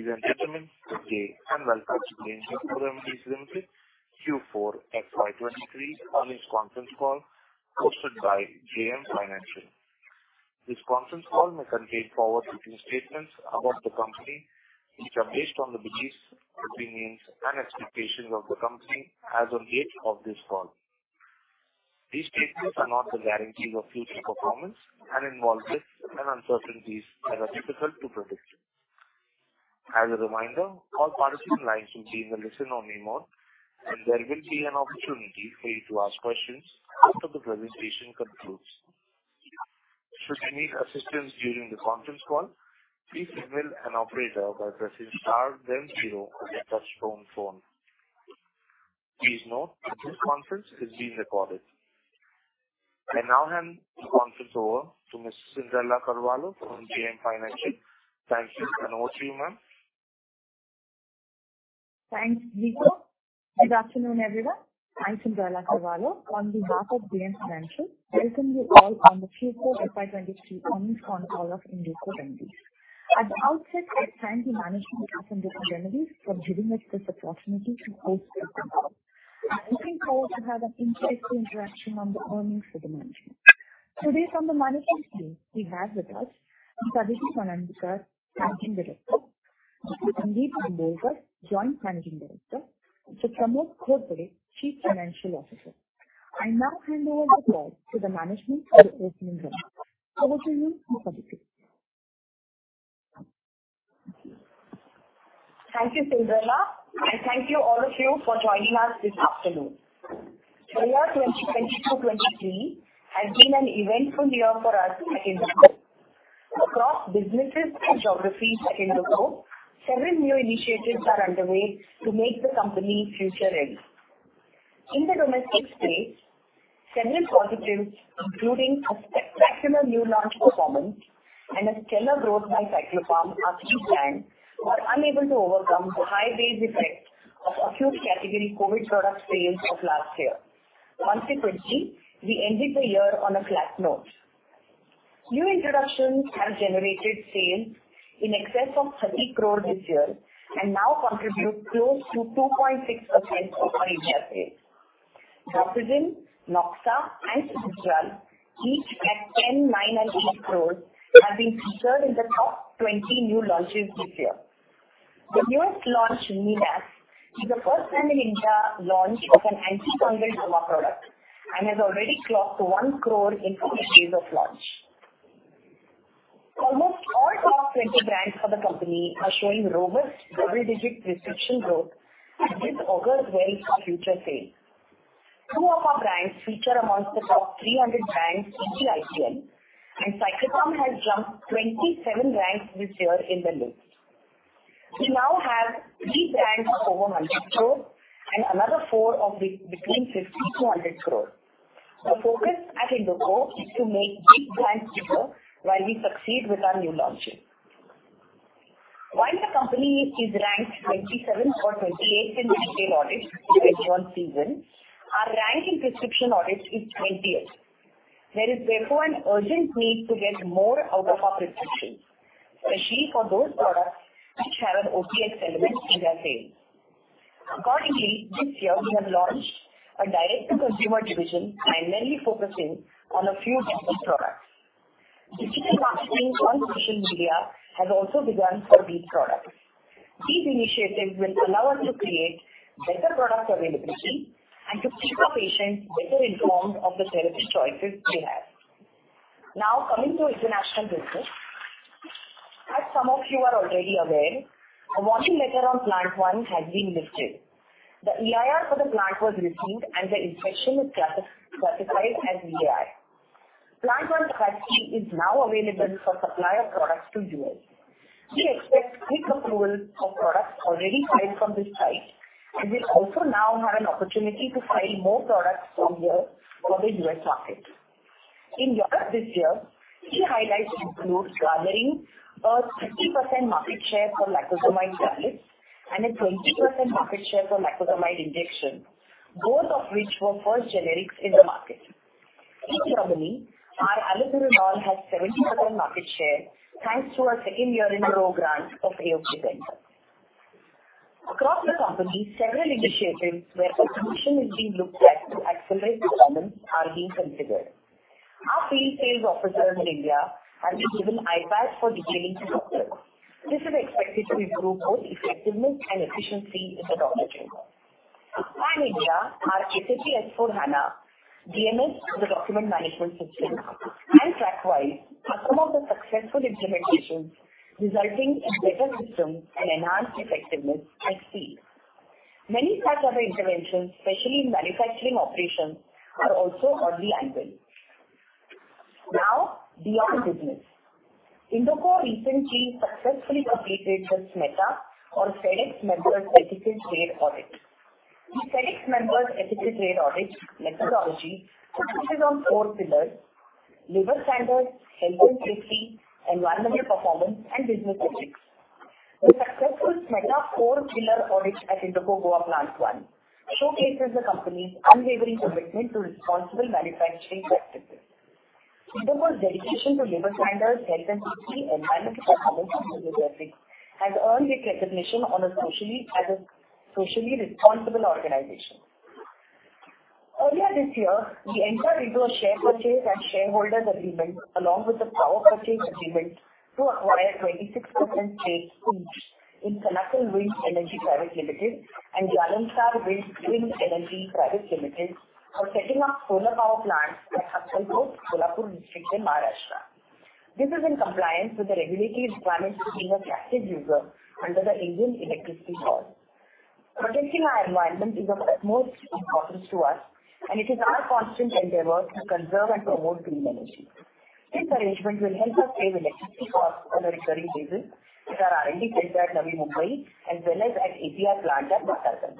Ladies and gentlemen, good day. Welcome to the Indoco Remedies Limited Q4 FY 2023 earnings conference call hosted by JM Financial. This conference call may contain forward-looking statements about the company, which are based on the beliefs, opinions, and expectations of the company as on date of this call. These statements are not the guarantees of future performance and involve risks and uncertainties that are difficult to predict. As a reminder, all participant lines will be in a listen-only mode. There will be an opportunity for you to ask questions after the presentation concludes. Should you need assistance during the conference call, please email an operator by pressing star then zero on your touchtone phone. Please note that this conference is being recorded. I now hand the conference over to Ms. Cinderella Carvalho from JM Financial. Thank you. Over to you, ma'am. Thanks, Nico. Good afternoon, everyone. I'm Cinderella Carvalho. On behalf of JM Financial, welcome you all on the Q4 FY 2023 earnings conference call of Indoco Remedies. At the outset, I thank the management of Indoco Remedies for giving us this opportunity to host this call. I'm looking forward to have an insightful interaction on the earnings with the management. Today from the management team we have with us Ms. Aditi Panandikar, Managing Director; Mr. Sundeep Bambolkar, Joint Managing Director; Mr. Pramod Ghorpade, Chief Financial Officer. I now hand over the floor to the management for the opening remarks. Over to you, Ms. Aditi. Thank you, Cinderella. Thank you all of you for joining us this afternoon. The year 2020-2023 has been an eventful year for us at Indoco. Across businesses and geographies at Indoco, several new initiatives are underway to make the company future-ready. In the domestic space, several positives, including a spectacular new launch performance and a stellar growth by Cyclopam, our key brand, were unable to overcome the high base effect of a few category COVID product sales of last year. Consequently, we ended the year on a flat note. New introductions have generated sales in excess of 30 crore this year and now contribute close to 2.6% of our India sales. Dapsone, Noxa, and Cital, each at 10 crore, 9 crore, and 8 crore, have been featured in the top 20 new launches this year. The newest launch, MIDAX, is the first-time-in-India launch of an anticoagulant coma product and has already clocked 1 crore in four days of launch. Almost all top 20 brands for the company are showing robust double-digit prescription growth. This augurs well for future sales. Two of our brands feature amongst the top 300 brands each year. Cyclopam has jumped 27 ranks this year in the list. We now have three brands over 100 crore and another four between 50 crore-100 crore. The focus at Indoco is to make big brands bigger while we succeed with our new launches. While the company is ranked 27th or 28th in retail audits for the 2021 season, our rank in prescription audits is 20th. There is therefore an urgent need to get more out of our prescriptions, especially for those products which have an OPEX element in their sales. Accordingly, this year we have launched a direct-to-consumer division primarily focusing on a few dental products. Digital marketing on social media has also begun for these products. These initiatives will allow us to create better product availability and to keep the patients better informed of the therapeutic choices they have. Coming to international business. As some of you are already aware, a warning letter on plant one has been lifted. The EIR for the plant was received and the inspection is classified as EIR. Plant one Part C is now available for supply of products to U.S. We expect quick approval of products already filed from this site and will also now have an opportunity to file more products from here for the U.S. market. In Europe this year, key highlights include garnering a 50% market share for Lacosamide tablets and a 20% market share for Lacosamide injections, both of which were first generics in the market. In Germany, our Allopurinol has 70% market share thanks to our second year in a row grant of AOK status. Across the company, several initiatives where automation is being looked at to accelerate performance are being considered. Our field sales officers in India have been given iPads for detailing to doctors. This is expected to improve both effectiveness and efficiency with the doctor chamber. Pan-India, our SAP S/4HANA, DMS, the document management system, and TrackWise are some of the successful implementations resulting in better systems and enhanced effectiveness and speed. Many such other interventions, especially in manufacturing operations, are also on the anvil. Beyond business. Indoco recently successfully completed the SMETA or Sedex Members Ethical Trade Audit. The Sedex Members Ethical Trade Audit methodology focuses on four pillars: labor standards, health and safety, environmental performance, and business ethics. The successful SMETA four-pillar audit at Indoco Goa Plant One showcases the company's unwavering commitment to responsible manufacturing practices. Indoco's dedication to labor standards, health and safety, and environmental performance in the district has earned it recognition as a socially responsible organization. Earlier this year, we entered into a share purchase and shareholders agreement along with the power purchase agreement to acquire 26% stake each in Kanakal Wind Energy Private Limited and Jalansar Wind Energy Private Limited for setting up solar power plants at Satpur, Nashik district in Maharashtra. This is in compliance with the regulatory requirements to being a captive user under the Electricity Act, 2003. Protecting our environment is of utmost importance to us. It is our constant endeavor to conserve and promote green energy. This arrangement will help us save electricity costs on a recurring basis at our R&D center at Navi Mumbai as well as at API plant at Vadodara.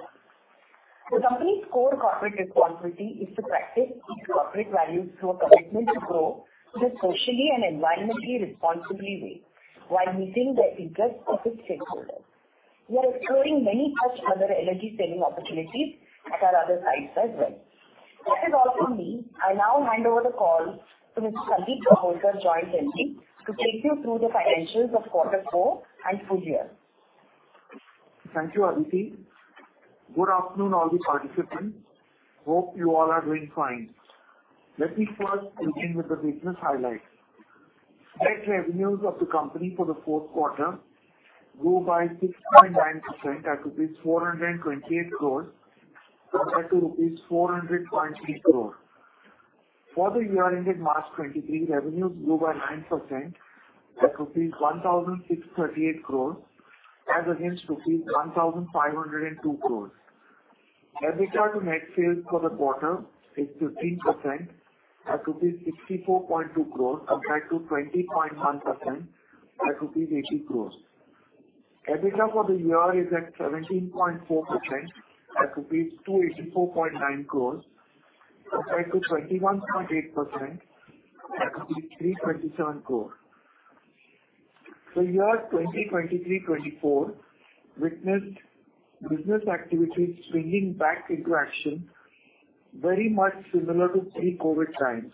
The company's core corporate responsibility is to practice its corporate values through a commitment to grow in a socially and environmentally responsible way while meeting the interests of its stakeholders. We are exploring many such other energy-saving opportunities at our other sites as well. That is all from me. I now hand over the call to Mr. Sundeep Bambolkar, Joint MD, to take you through the financials of quarter four and full year. Thank you, Aditi. Good afternoon, all the participants. Hope you all are doing fine. Let me first begin with the business highlights. Net revenues of the company for the fourth quarter grew by 6.9% at rupees 428 crores compared to rupees 420 crores. For the year ending March 2023, revenues grew by 9% at 1,638 crores as against rupees 1,502 crores. EBITDA to net sales for the quarter is 15% at 64.2 crores compared to 20.1% at 80 crores. EBITDA for the year is at 17.4% at rupees 284.9 crores compared to 21.8% at rupees 327 crores. The year 2023, 2024 witnessed business activities swinging back into action very much similar to pre-COVID times,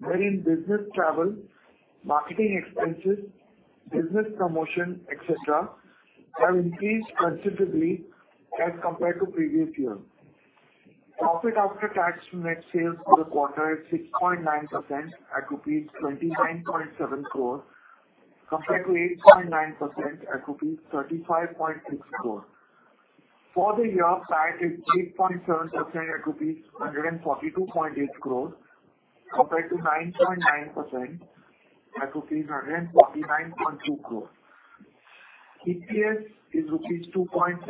wherein business travel, marketing expenses, business promotion, et cetera, have increased considerably as compared to previous year. Profit after tax from net sales for the quarter is 6.9% at rupees 29.7 crores compared to 8.9% at rupees 35.6 crores. For the year, PAT is 8.7% at rupees 142.8 crores compared to 9.9% at rupees 149.2 crores. EPS is rupees 2.75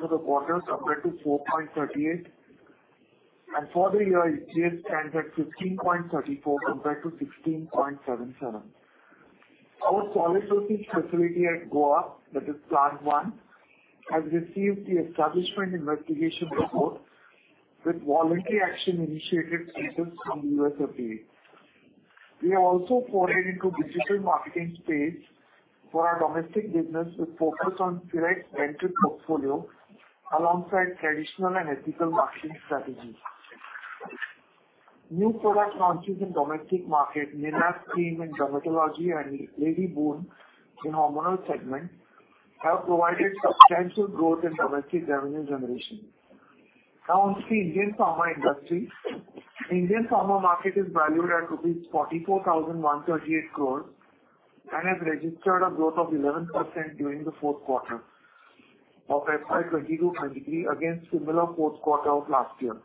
for the quarter compared to 4.38, and for the year, EPS stands at 15.34 compared to 16.77. Our solid dosage facility at Goa, that is Plant One, has received the Establishment Inspection Report with voluntary action initiated letters from the U.S. FDA. We have also forayed into digital marketing space for our domestic business with focus on direct branded portfolio alongside traditional and ethical marketing strategies. New product launches in domestic market, Ninaf cream in dermatology and Ladyboon in hormonal segment, have provided substantial growth in domestic revenue generation. Onto the Indian pharma industry. Indian pharma market is valued at rupees 44,138 crores and has registered a growth of 11% during the fourth quarter of FY 2022-2023 against similar fourth quarter of last year.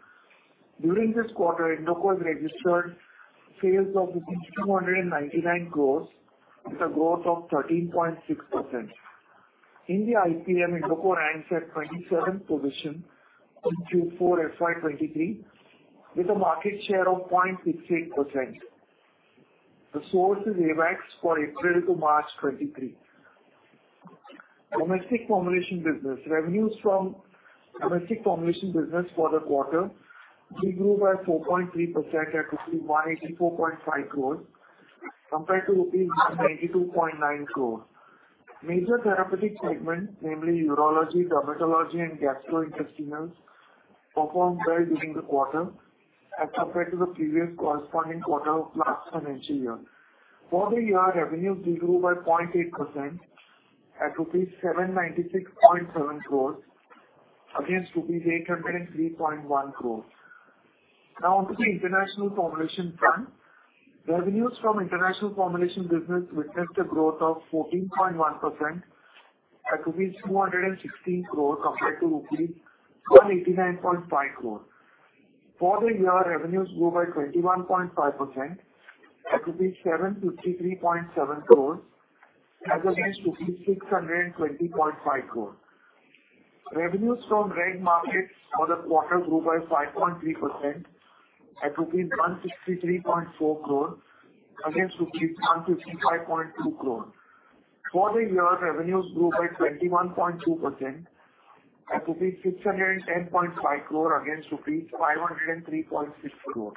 During this quarter, Indoco has registered sales of rupees 299 crores with a growth of 13.6%. In the IPM, Indoco ranks at 27th position in Q4 FY 2023 with a market share of 0.68%. The source is AIOCD AWACS for April to March 2023. Domestic formulation business. Revenues from domestic formulation business for the quarter did grow by 4.3% at rupees 184.5 crores compared to rupees 182.9 crores. Major therapeutic segments, namely urology, dermatology, and gastrointestinals, performed well during the quarter as compared to the previous corresponding quarter of last financial year. For the year, revenues did grow by 0.8% at rupees 796.7 crores against rupees 803.1 crores. Onto the international formulation front. Revenues from international formulation business witnessed a growth of 14.1% at INR 216 crores compared to INR 189.5 crores. For the year, revenues grew by 21.5% at 753.7 crores as against 620.5 crores. Revenues from reg markets for the quarter grew by 5.3% at rupees 163.4 crores against rupees 155.2 crores. For the year, revenues grew by 21.2% at rupees 610.5 crores against rupees 503.6 crores.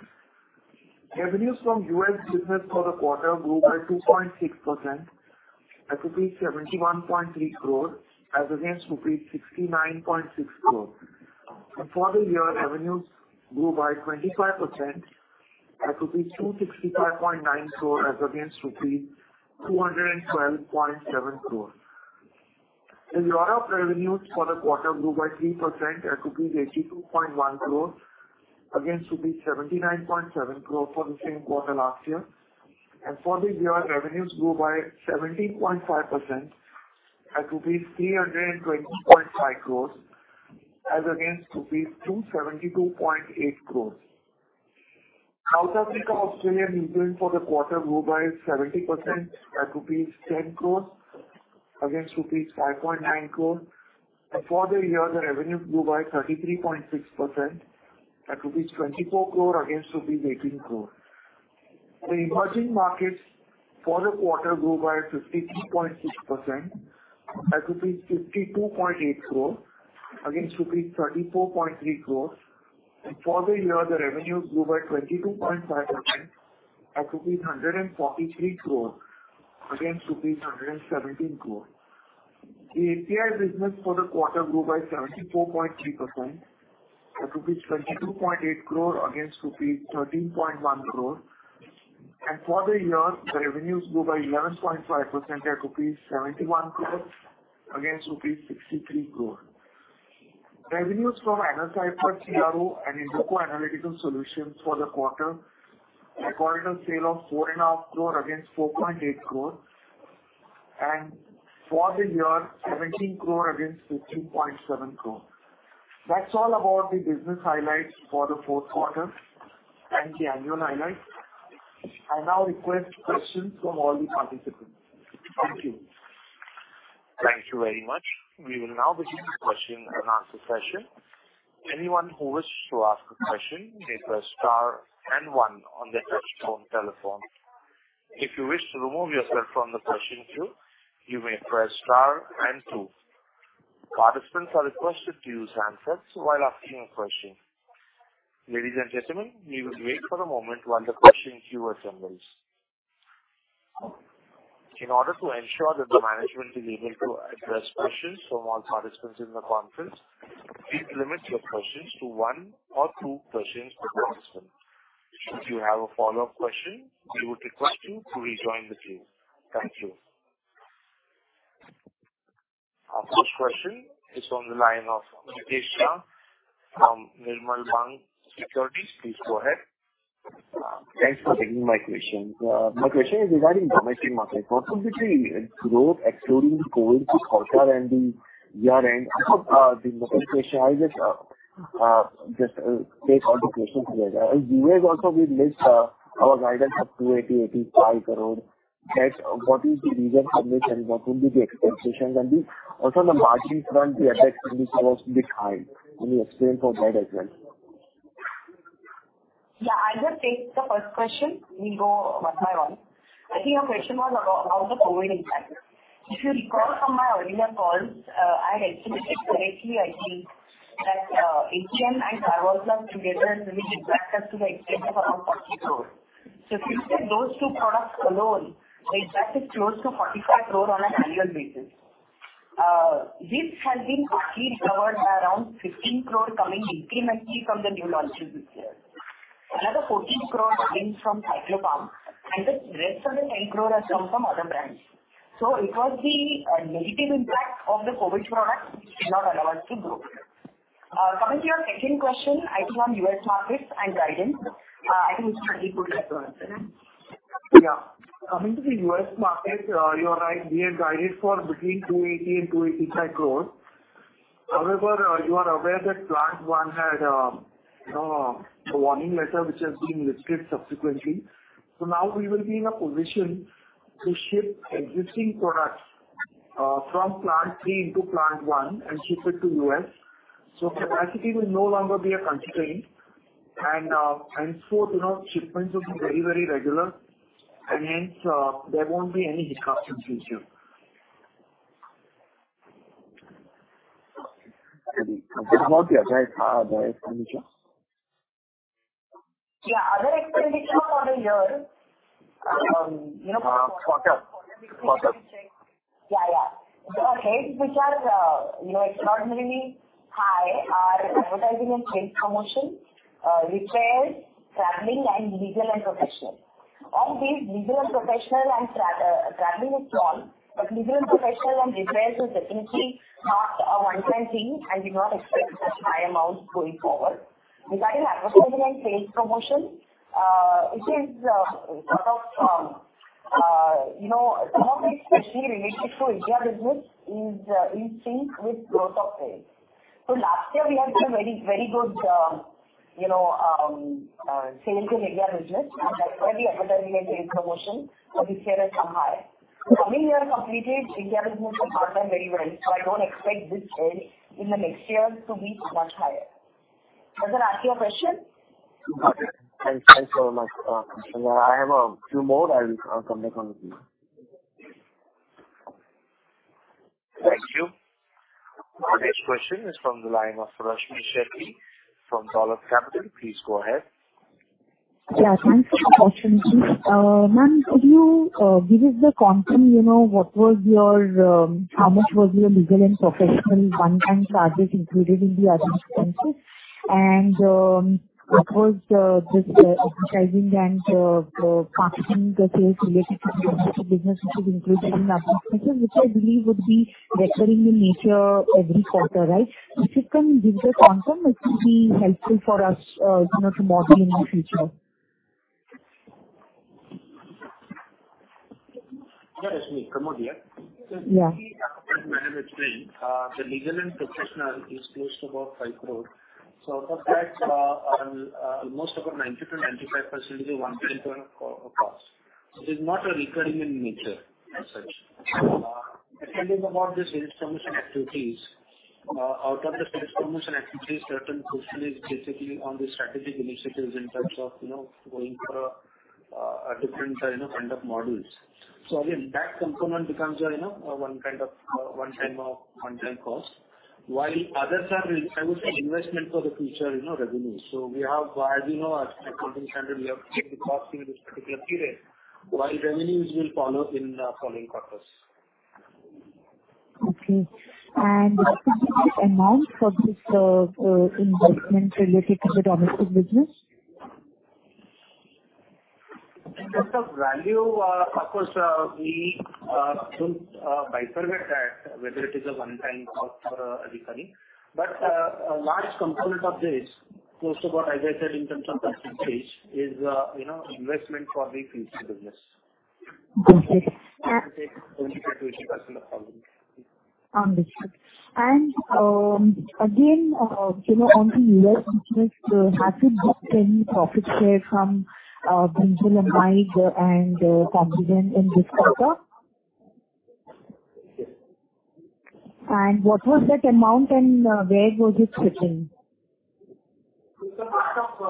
Revenues from U.S. business for the quarter grew by 2.6% at 71.3 crores as against rupees 69.6 crores. For the year, revenues grew by 25% at rupees 265.9 crores as against rupees 212.7 crores. In Europe, revenues for the quarter grew by 3% at rupees 82.1 crores against rupees 79.7 crores for the same quarter last year. For the year, revenues grew by 17.5% at rupees 320.5 crores as against rupees 272.8 crores. South Africa, Australia, New Zealand for the quarter grew by 70% at rupees 10 crores against rupees 5.9 crores. For the year, the revenues grew by 33.6% at rupees 24 crore against rupees 18 crore. The emerging markets for the quarter grew by 53.6% at 52.8 crores against rupees 34.3 crores. For the year, the revenues grew by 22.5% at rupees 143 crore against rupees 117 crore. The API business for the quarter grew by 74.3% at rupees 22.8 crore against rupees 13.1 crore. For the year, the revenues grew by 11.5% at rupees 71 crore against rupees 63 crore. Revenues from NSI, CRO and Indoco Analytical Solutions for the quarter recorded a sale of four and a half crore against 4.8 crore. For the year, 17 crore against 15.7 crore. That's all about the business highlights for the fourth quarter and the annual highlights. I now request questions from all the participants. Thank you. Thank you very much. We will now begin the question and answer session. Anyone who wishes to ask a question may press star and one on their touchtone telephone. If you wish to remove yourself from the question queue, you may press star and two. Participants are requested to use handsets while asking a question. Ladies and gentlemen, we will wait for a moment while the question queue assembles. In order to ensure that the management is able to address questions from all participants in the conference, please limit your questions to one or two questions per participant. Should you have a follow-up question, we would request you to rejoin the queue. Thank you. Our first question is on the line of Mitesh Shah from Nirmal Bang Securities. Please go ahead. Thanks for taking my question. My question is regarding domestic market. First of the three growth excluding the COVID quarter and the year end. The second question, I just take all the questions together. As you guys also we've missed our guidance of 280 crore-285 crore. That's what is the reason for this and what will be the expectations. Also on the margin front, the effect will be somewhat bit high. Any explain for that as well? I'll just take the first question. We'll go one by one. I think your question was about the COVID impact. If you recall from my earlier calls, I had explained it correctly, I think, that Hiten and Paracetamol together really impacted to the extent of around INR 40 crore. If you take those two products alone, the impact is close to INR 45 crore on an annual basis. This has been mostly recovered by around 15 crore coming incrementally from the new launches this year. Another 14 crore coming from Cyclopam, and the rest of the 10 crore has come from other brands. It was the negative impact of the COVID product which did not allow us to grow. Coming to your second question, I think on U.S. markets and guidance, I think Mr. Sundeep Bambolkar would like to answer. Yeah. Coming to the U.S. market, you are right, we have guided for between 280 and 285 crores. However, you are aware that plant one had a warning letter which has been lifted subsequently. Now we will be in a position to ship existing products from plant three into plant one and ship it to U.S. Capacity will no longer be a constraint and, you know, shipments will be very, very regular and hence, there won't be any disruptions this year. It's about the expense, the expense ratio. Yeah, other expenditures for the year, you know. Quarter. Yeah, yeah. The heads which are, you know, extraordinarily high are advertising and sales promotion, repairs, traveling and legal and professional. Of these, legal and professional and traveling is small, but legal and professional and repairs is definitely not a one-time thing and we not expect such high amounts going forward. Regarding advertising and sales promotion, it is, sort of, you know, some of it's especially related to India business is in sync with growth of sales. Last year we had a very, very good, you know, sales in India business and that's why the advertising and sales promotion this year is somehow high. Coming year completed, India business should perform very well, so I don't expect this spend in the next years to be much higher. Does that answer your question? Thanks. Thanks so much. I have a few more. I'll come back on to you. Thank you. Our next question is from the line of Rashmi Shetty from Dolat Capital. Please go ahead. Yeah, thanks for the opportunity. Ma'am, could you give us the confirm, you know, what was your, how much was your legal and professional one-time charges included in the other expenses? Of course, this advertising and marketing sales related to domestic business, which is included in the application, which I believe would be recurring in nature every quarter, right? If you can give the confirm, it will be helpful for us, you know, to model in the future. Yeah, it's me Pramod here. Yeah. As madam explained, the legal and professional is close to about 5 crore. Of that, almost about 90%-95% is a one-time cost. It is not recurring in nature as such. Secondly about the sales promotion activities. Out of the sales promotion activities, certain portion is basically on the strategic initiatives in terms of, you know, going for a different, you know, kind of models. Again, that component becomes a, you know, one kind of one-time cost, while others are in, I would say, investment for the future, you know, revenue. We have, as you know, as accounting standard, we have to take the cost in this particular period, while revenues will follow in following quarters. Okay. Could you give amount for this investment related to the domestic business? In terms of value, of course, we don't bifurcate that whether it is a one time or a recurring. A large component of this, close to about, as I said, in terms of percentage is, you know, investment for the future business. Okay. Which I think 20%-25% of the whole. Understood. Again, you know, on the U.S. business, has it booked any profit share from Benzelamine and Combigan in this quarter? Yes. What was that amount and, where was it sitting? It's a part of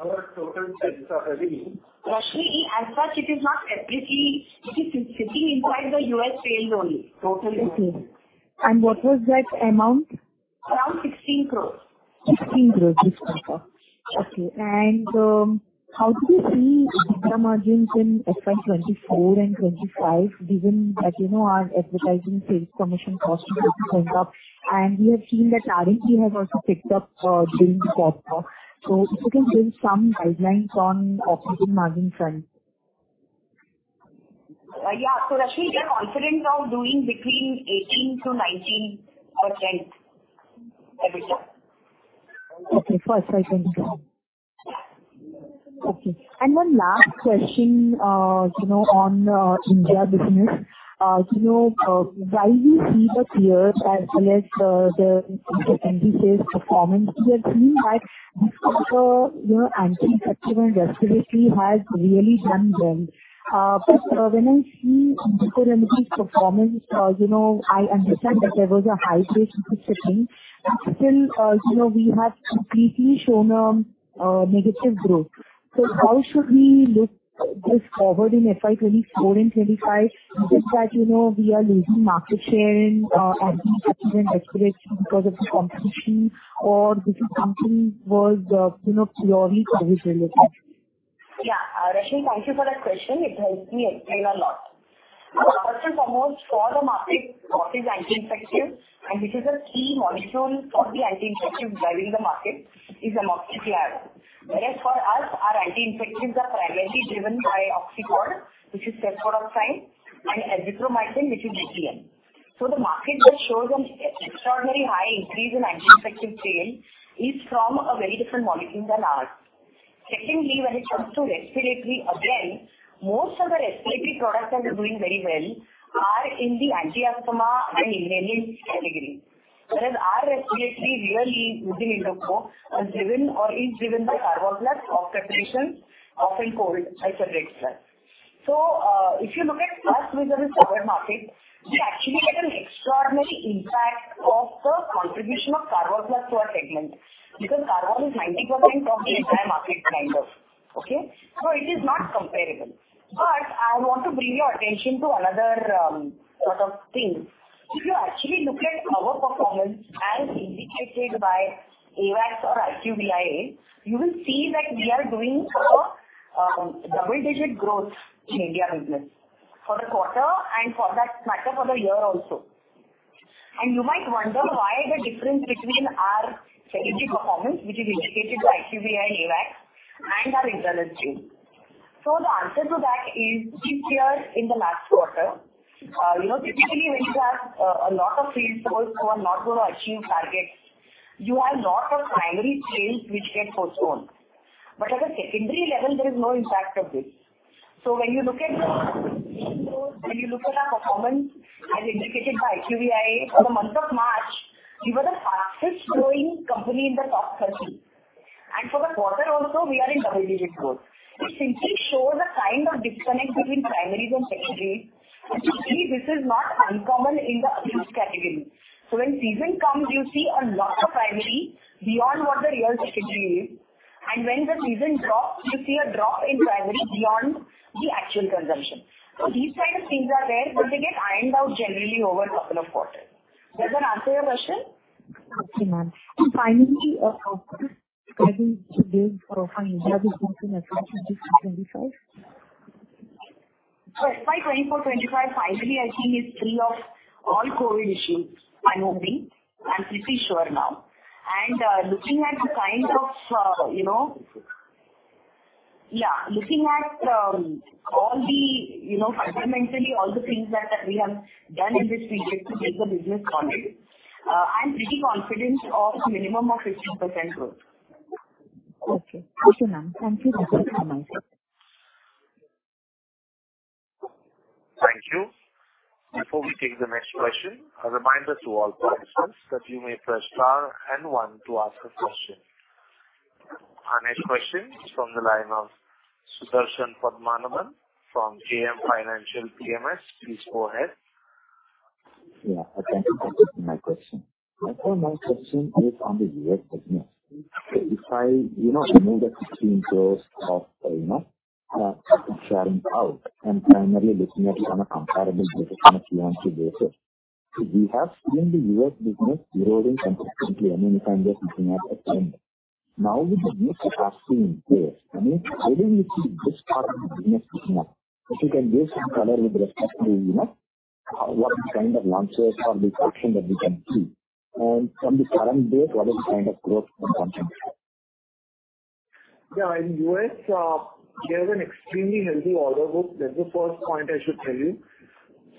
our total sales already. Rashmi, as such, it is not separately. It is inside the US sales only. Total US. Okay. What was that amount? Around 16 crores. 16 crores this quarter. Okay. How do you see EBITDA margins in FY 2024 and 2025, given that, you know, our advertising sales commission costs have gone up and we have seen that R&D has also picked up, during the quarter. If you can give some guidelines on operating margin side. Yeah. Rashmi, we are confident of doing between 18%-19% EBITDA. Okay. For FY 2024. Yeah. Okay. One last question, you know, on India business. You know, while we see the peers secondary sales performance, we are seeing that this quarter, you know, anti-infective and respiratory has really done well. When I see Zydus Cadila's performance, you know, I understand that there was a high base effect sitting, but still, you know, we have completely shown negative growth. How should we look this forward in FY 2024 and 2025? Is it that, you know, we are losing market share in anti-infective and respiratory because of the competition or this is something was, you know, purely COVID related? Yeah. Rashmi, thank you for that question. It helps me explain a lot. First and foremost, for the market, what is anti-infective, and this is a key molecule for the anti-infective driving the market is Amoxicillin. For us, our anti-infectives are primarily driven by Oxipod, which is cefpodoxime and Azithromycin, which is ZTM. The market that shows an extraordinary high increase in anti-infective sales is from a very different molecule than ours. Secondly, when it comes to respiratory, again, most of the respiratory products that are doing very well are in the anti-asthma and inhalant category. Our respiratory really within Indoco is driven by Karvol Plus or preparations of and cold as a red flag. If you look at us within this broader market, we actually get an extraordinary impact of the contribution of Karvol Plus to our segment, because Karvol is 90% of the entire market numbers. Okay? It is not comparable. I want to bring your attention to another sort of thing. If you actually look at our performance as indicated by AWACS or IQVIA, you will see that we are doing double-digit growth in India business for the quarter and for that matter for the year also. You might wonder why the difference between our secondary performance, which is indicated by IQVIA and AWACS and our internal stream. The answer to that is pretty clear in the last quarter. You know, typically when you have a lot of field force who are not going to achieve targets, you have a lot of primary sales which get postponed. At a secondary level, there is no impact of this. When you look at our performance as indicated by IQVIA for the month of March, we were the fastest growing company in the top 30. For the quarter also we are in double-digit growth, which simply shows a kind of disconnect between primaries and secondaries. To me this is not uncommon in the abuse category. When season comes, you see a lot of primary beyond what the real secondary is. When the season drops, you see a drop in primary beyond the actual consumption. These kind of things are there, but they get ironed out generally over a couple of quarters. Does that answer your question? Okay, ma'am. Finally, guidance you gave for India this year in 2025. FY 2024, 2025, finally I think is free of all COVID issues. I hope it. I'm pretty sure now. Looking at the kind of, you know, looking at all the, you know, fundamentally all the things that we have done in this pretext to make the business solid, I'm pretty confident of minimum of 15% growth. Okay. Okay, ma'am. Thank you. Welcome, ma'am. Thank you. Before we take the next question, a reminder to all participants that you may press star and one to ask a question. Our next question is from the line of Sudarshan Padmanabhan from JM Financial PMS. Please go ahead. Yeah. Thank you for taking my question. My first question is on the US business. If I, you know, remove the INR 16 crores of, you know, sharing out and primarily looking at it on a comparable basis on a quarter-on-quarter basis, we have seen the US business eroding consistently. I mean, if I'm just looking at the trend. With the mix that I've seen here, I mean, where do you see this part of the business picking up? If you can give some color with respect to, you know, what the kind of launches or the action that we can see. From the current year, what is the kind of growth that one can expect? In U.S., we have an extremely healthy order book. That's the first point I should tell you.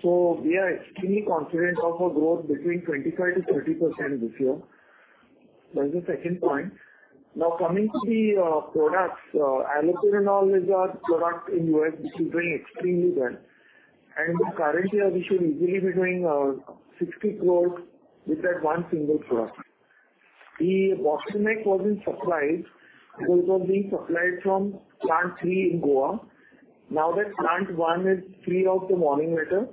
We are extremely confident of a growth between 25%-30% this year. That is the second point. Coming to the products, Allopurinol is our product in U.S., which is doing extremely well. Currently, we should easily be doing 60 crores with that one single product. The bottleneck was in supply because it was being supplied from Plant Three in Goa. That Plant One is free of the warning letter,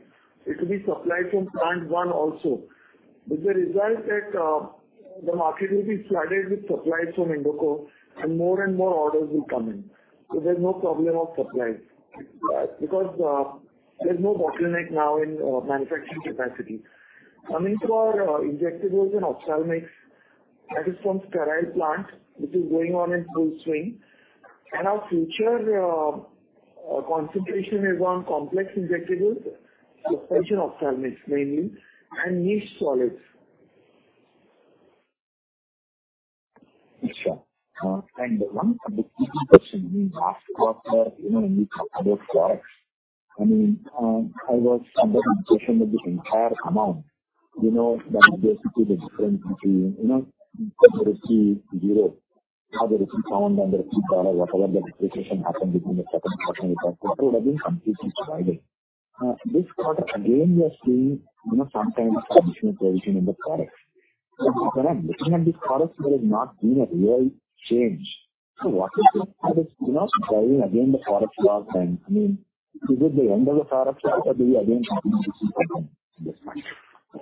it will be supplied from Plant One also. With the result that the market will be flooded with supplies from Indoco and more and more orders will come in. There's no problem of supply because there's no bottleneck now in manufacturing capacity. Coming to our injectables and ophthalmics, that is from sterile plant, which is going on in full swing. Our future concentration is on complex injectables, a portion of ophthalmics mainly, and niche solids. Sure. One of the key question we asked quarter, you know, when we talk about products, I mean, I was under the impression that this entire amount, you know, that basically the difference between, you know, whether it's the euro, or whether it's the GBP and the rupee dollar, whatever the depreciation happened between the second quarter and the third quarter would have been completely provided. This quarter again, we are seeing, you know, some kind of additional provision in the products. When I'm looking at these products, there has not been a real change. What is this, you know, driving again the product loss then? I mean, is it the end of the product loss or do you again at this point?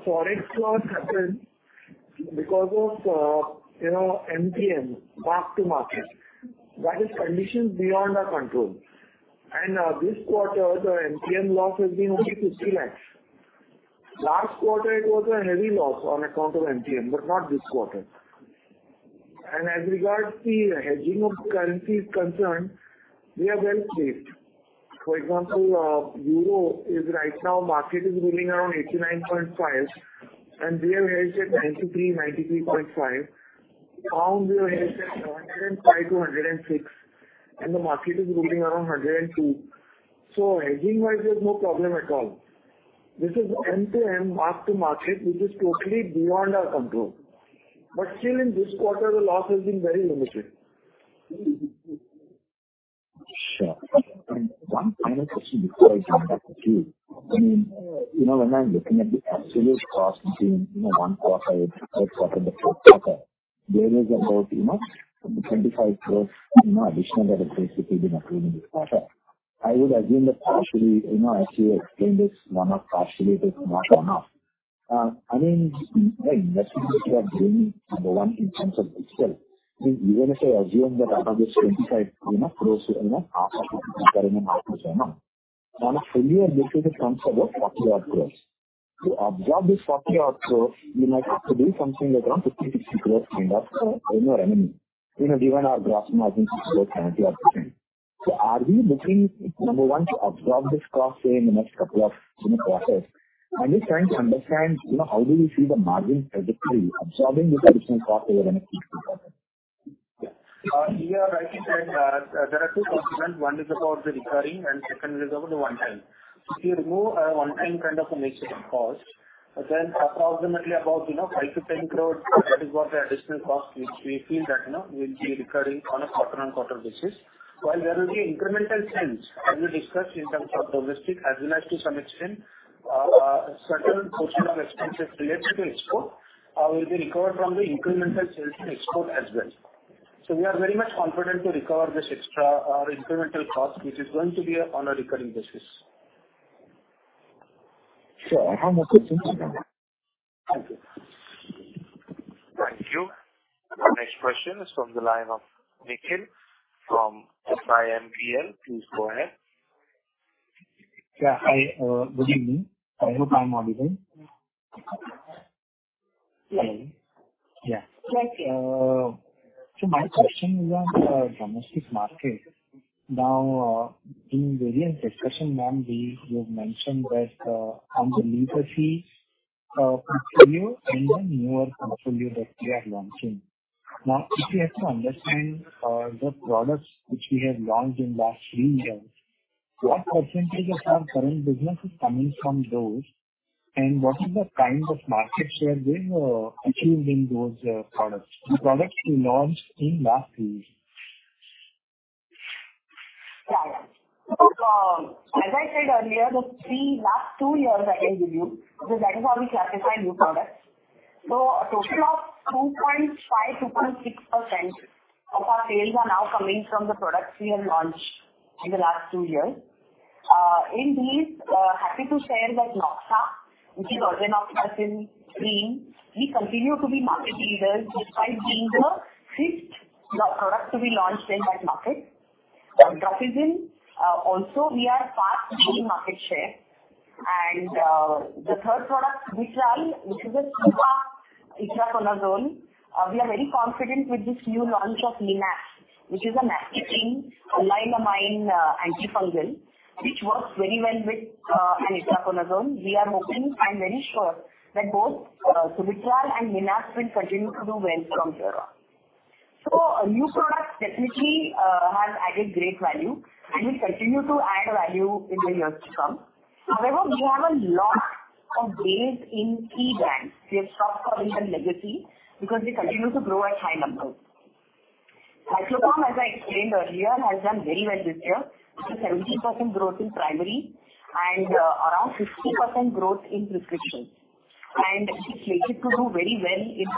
Forex loss happens because of, you know, MTM, mark to market. That is conditions beyond our control. This quarter, the MTM loss has been only 50 lakhs. Last quarter, it was a heavy loss on account of MTM, but not this quarter. As regards the hedging of currency is concerned, we are well placed. For example, euro is right now market is ruling around 89.5, and we have hedged at 93, 93.5. Pound, we have hedged at 105-106, and the market is ruling around 102. Hedging-wise, there's no problem at all. This is MTM, mark to market, which is totally beyond our control. Still in this quarter the loss has been very limited. Sure. One final question before I come back to you. I mean, you know, when I'm looking at the absolute cost between, you know, 1 quarter, the 3rd quarter and the 4th quarter, there is about, you know, 25 crores, you know, additional depreciation being accrued in this quarter. I would assume that partially, you know, as you explained this, partially it is mark down up. I mean, the investments you are doing, number one, in terms of itself, I mean, even if I assume that out of this INR 25 crores, you know, half of it, you know, on a fully year basis it comes about INR 40 odd crores. To absorb this INR 40 odd crores, you might have to do something around INR 50 crores-INR 60 crores kind of, you know what I mean, you know, given our gross margins is 40%-70%. Are we looking, number one, to absorb this cost say in the next couple of, you know, quarters? I'm just trying to understand, you know, how do you see the margin trajectory absorbing this additional cost over the next few quarters? Yeah. You are rightly said, there are two components. One is about the recurring and second is about the one time. If you remove, one time kind of a mix cost, then approximately about, you know, 5 crores-10 crores, that is what the additional cost which we feel that, you know, will be recurring on a quarter-on-quarter basis. While there will be incremental sales as we discussed in terms of domestic as well as to some extent, certain portion of expenses related to export, will be recovered from the incremental sales in export as well. We are very much confident to recover this extra or incremental cost which is going to be, on a recurring basis. Sure. I have no question to ask. Thank you. Thank you. The next question is from the line of Nikhil from SIMPL. Please go ahead. Yeah. Hi. good evening. I hope I'm audible. Yes. Yeah. Go ahead. My question is on domestic market. Now, in various discussion, ma'am, you've mentioned that on the legacy portfolio and the newer portfolio that we are launching. Now, if we have to understand the products which we have launched in last three years, what percentage of our current business is coming from those, and what is the kind of market share we've achieved in those products? The products we launched in last three years. Yeah, yeah. As I said earlier, the three last two years I can give you, because that is how we classify new products. A total of 2.5%-2.6% of our sales are now coming from the products we have launched in the last two years. In these, happy to share that Noxa, which is Ozenoxacin cream, we continue to be market leaders despite being the fifth product to be launched in that market. Drotin, also we are fast gaining market share. The third product, Vicitral, which is a super itraconazole, we are very confident with this new launch of Minax, which is an azole allylamine antifungal, which works very well with an itraconazole. We are hoping and very sure that both, Vicitral and Minax will continue to do well from here on. New products have definitely added value and will continue to do so. Our key brands continue to grow at high numbers. Miclocom grew 70% in primary and around 50% in prescriptions. Febrex Plus was impacted by last year’s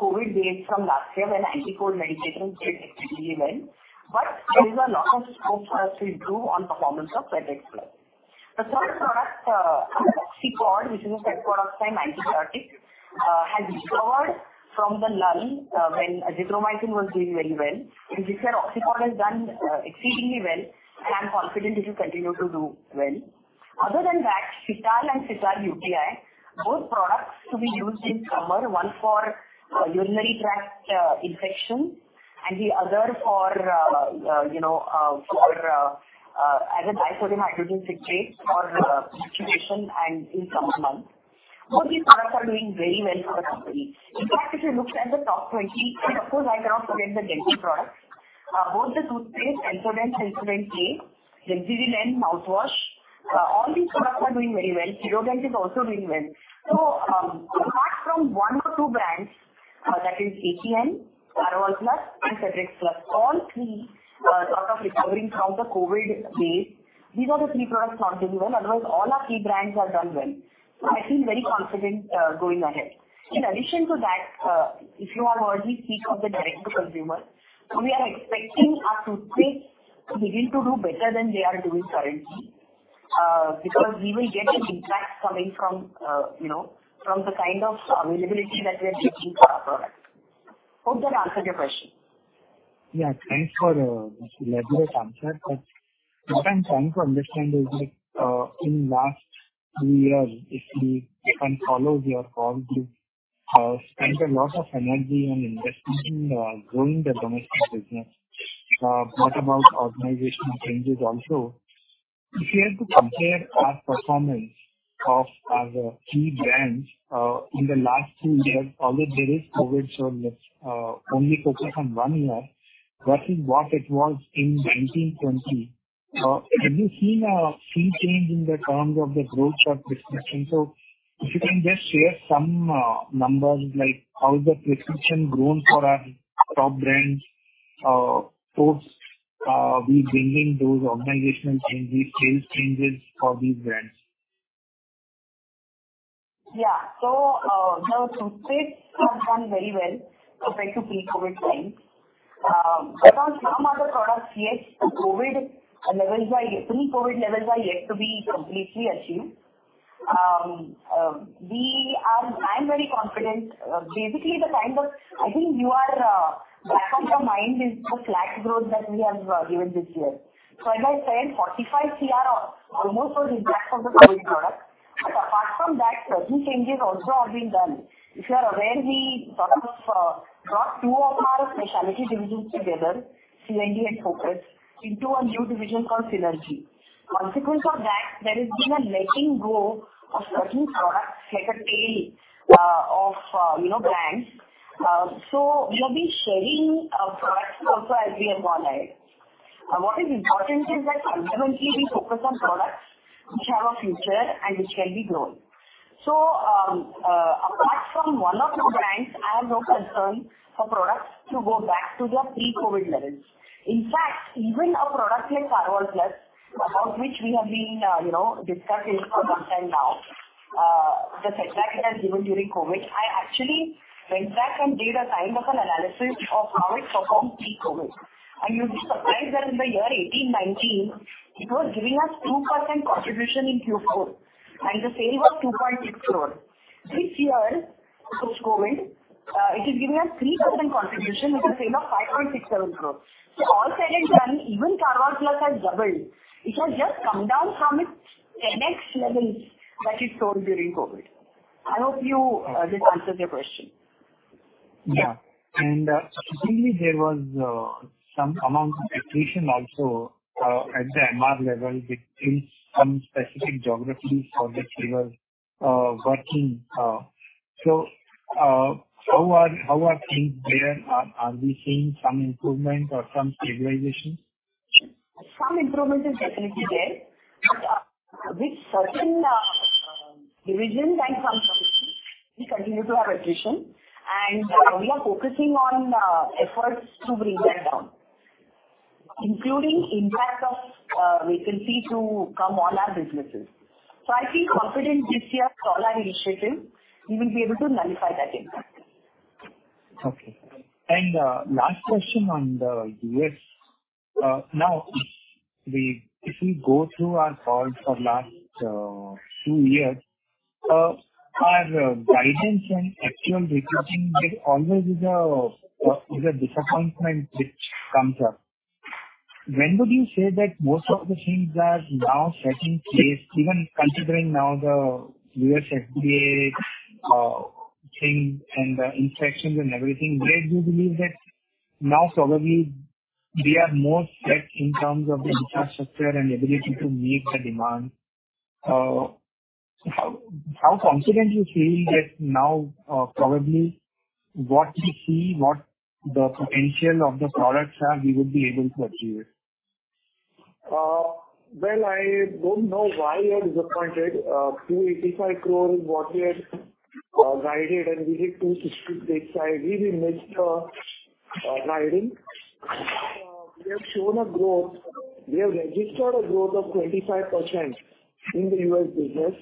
COVID base but has growth potential. Oxipod (terpin codeine antitussive) has recovered from the lull when Azithromycin performed well. In this year Oxipod has done exceedingly well. I am confident it will continue to do well. Other than that, Cital and Cital UTI, both products to be used in summer, one for urinary tract infection and the other for, you know, as a disodium hydrogen citrate for dehydration and in summer months. Both these products are doing very well for the company. In fact, if you look at the top 20, and of course I cannot forget the dental products, both the toothpaste Sensodent-K, Glensil Lens mouthwash, all these products are doing very well. Cheerogent is also doing well. Apart from one or two brands, that is ATM, Karvol Plus and Febrex Plus, all three sort of recovering from the COVID base. These are the three products not doing well. Otherwise, all our key brands have done well. I feel very confident going ahead. In addition to that, if you have heard me speak of the direct to consumer, we are expecting our toothpaste to begin to do better than they are doing currently, because we will get an impact coming from, you know, from the kind of availability that we are getting for our product. Hope that answered your question. Yeah. Thanks for this elaborate answer. What I'm trying to understand is that in last three years, if one follows your calls, you've spent a lot of energy and investment in growing the domestic business. Brought about organizational changes also. If we have to compare our performance of our key brands in the last three years, although there is COVID, let's only focus on one year versus what it was in 19-20. Have you seen a sea change in the terms of the growth of this business? If you can just share some numbers like how is the prescription grown for our top brands post we bringing those organizational changes, sales changes for these brands. Yeah. The toothpastes have done very well compared to pre-COVID times. But on some other products, yes, the COVID levels are yet pre-COVID levels are yet to be completely achieved. I'm very confident. Basically the kind of... I think you are back of your mind is the flat growth that we have given this year. As I said, 45 CR almost was impact of the COVID product. Apart from that, certain changes also are being done. If you are aware, we sort of brought two of our specialty divisions together, CMD and Focus, into a new division called Synergy. Consequence of that, there has been a letting go of certain products, like a tail of, you know, brands. We have been shedding products also as we have gone ahead. What is important is that fundamentally we focus on products which have a future and which can be grown. Apart from one or two brands, I have no concern for products to go back to their pre-COVID levels. In fact, even a product like Karvol Plus, about which we have been, you know, discussing for some time now. The setback it has given during COVID. I actually went back and did a time of an analysis of how it performed pre-COVID. You'll be surprised that in the year 2018-2019, it was giving us 2% contribution in Q4 and the sale was 2.6 crore. This year, post-COVID, it is giving us 3% contribution with a sale of 5.67 crore. All said and done, even Karvol Plus has doubled. It has just come down from its 10X levels that it sold during COVID. I hope you, this answers your question. Yeah. Specifically, there was some amount of attrition also at the MR level between some specific geographies for which we were working. How are things there? Are we seeing some improvement or some stabilization? Some improvement is definitely there. With certain divisions and some we continue to have attrition and we are focusing on efforts to bring that down, including impact of vacancy to come all our businesses. I feel confident this year with all our initiatives, we will be able to nullify that impact. Okay. Last question on the U.S. Now if we go through our calls for last two years, our guidance and actual reporting there always is a disappointment which comes up. When would you say that most of the things are now setting place even considering now the U.S. FDA things and the inspections and everything. Where do you believe that now probably we are more set in terms of the infrastructure and ability to meet the demand? How confident you feel that now, probably what we see, what the potential of the products are, we would be able to achieve it? Well, I don't know why you are disappointed. 285 crore is what we had guided, and we did 268.5. We've missed our guiding. We have shown a growth. We have registered a growth of 25% in the U.S. business,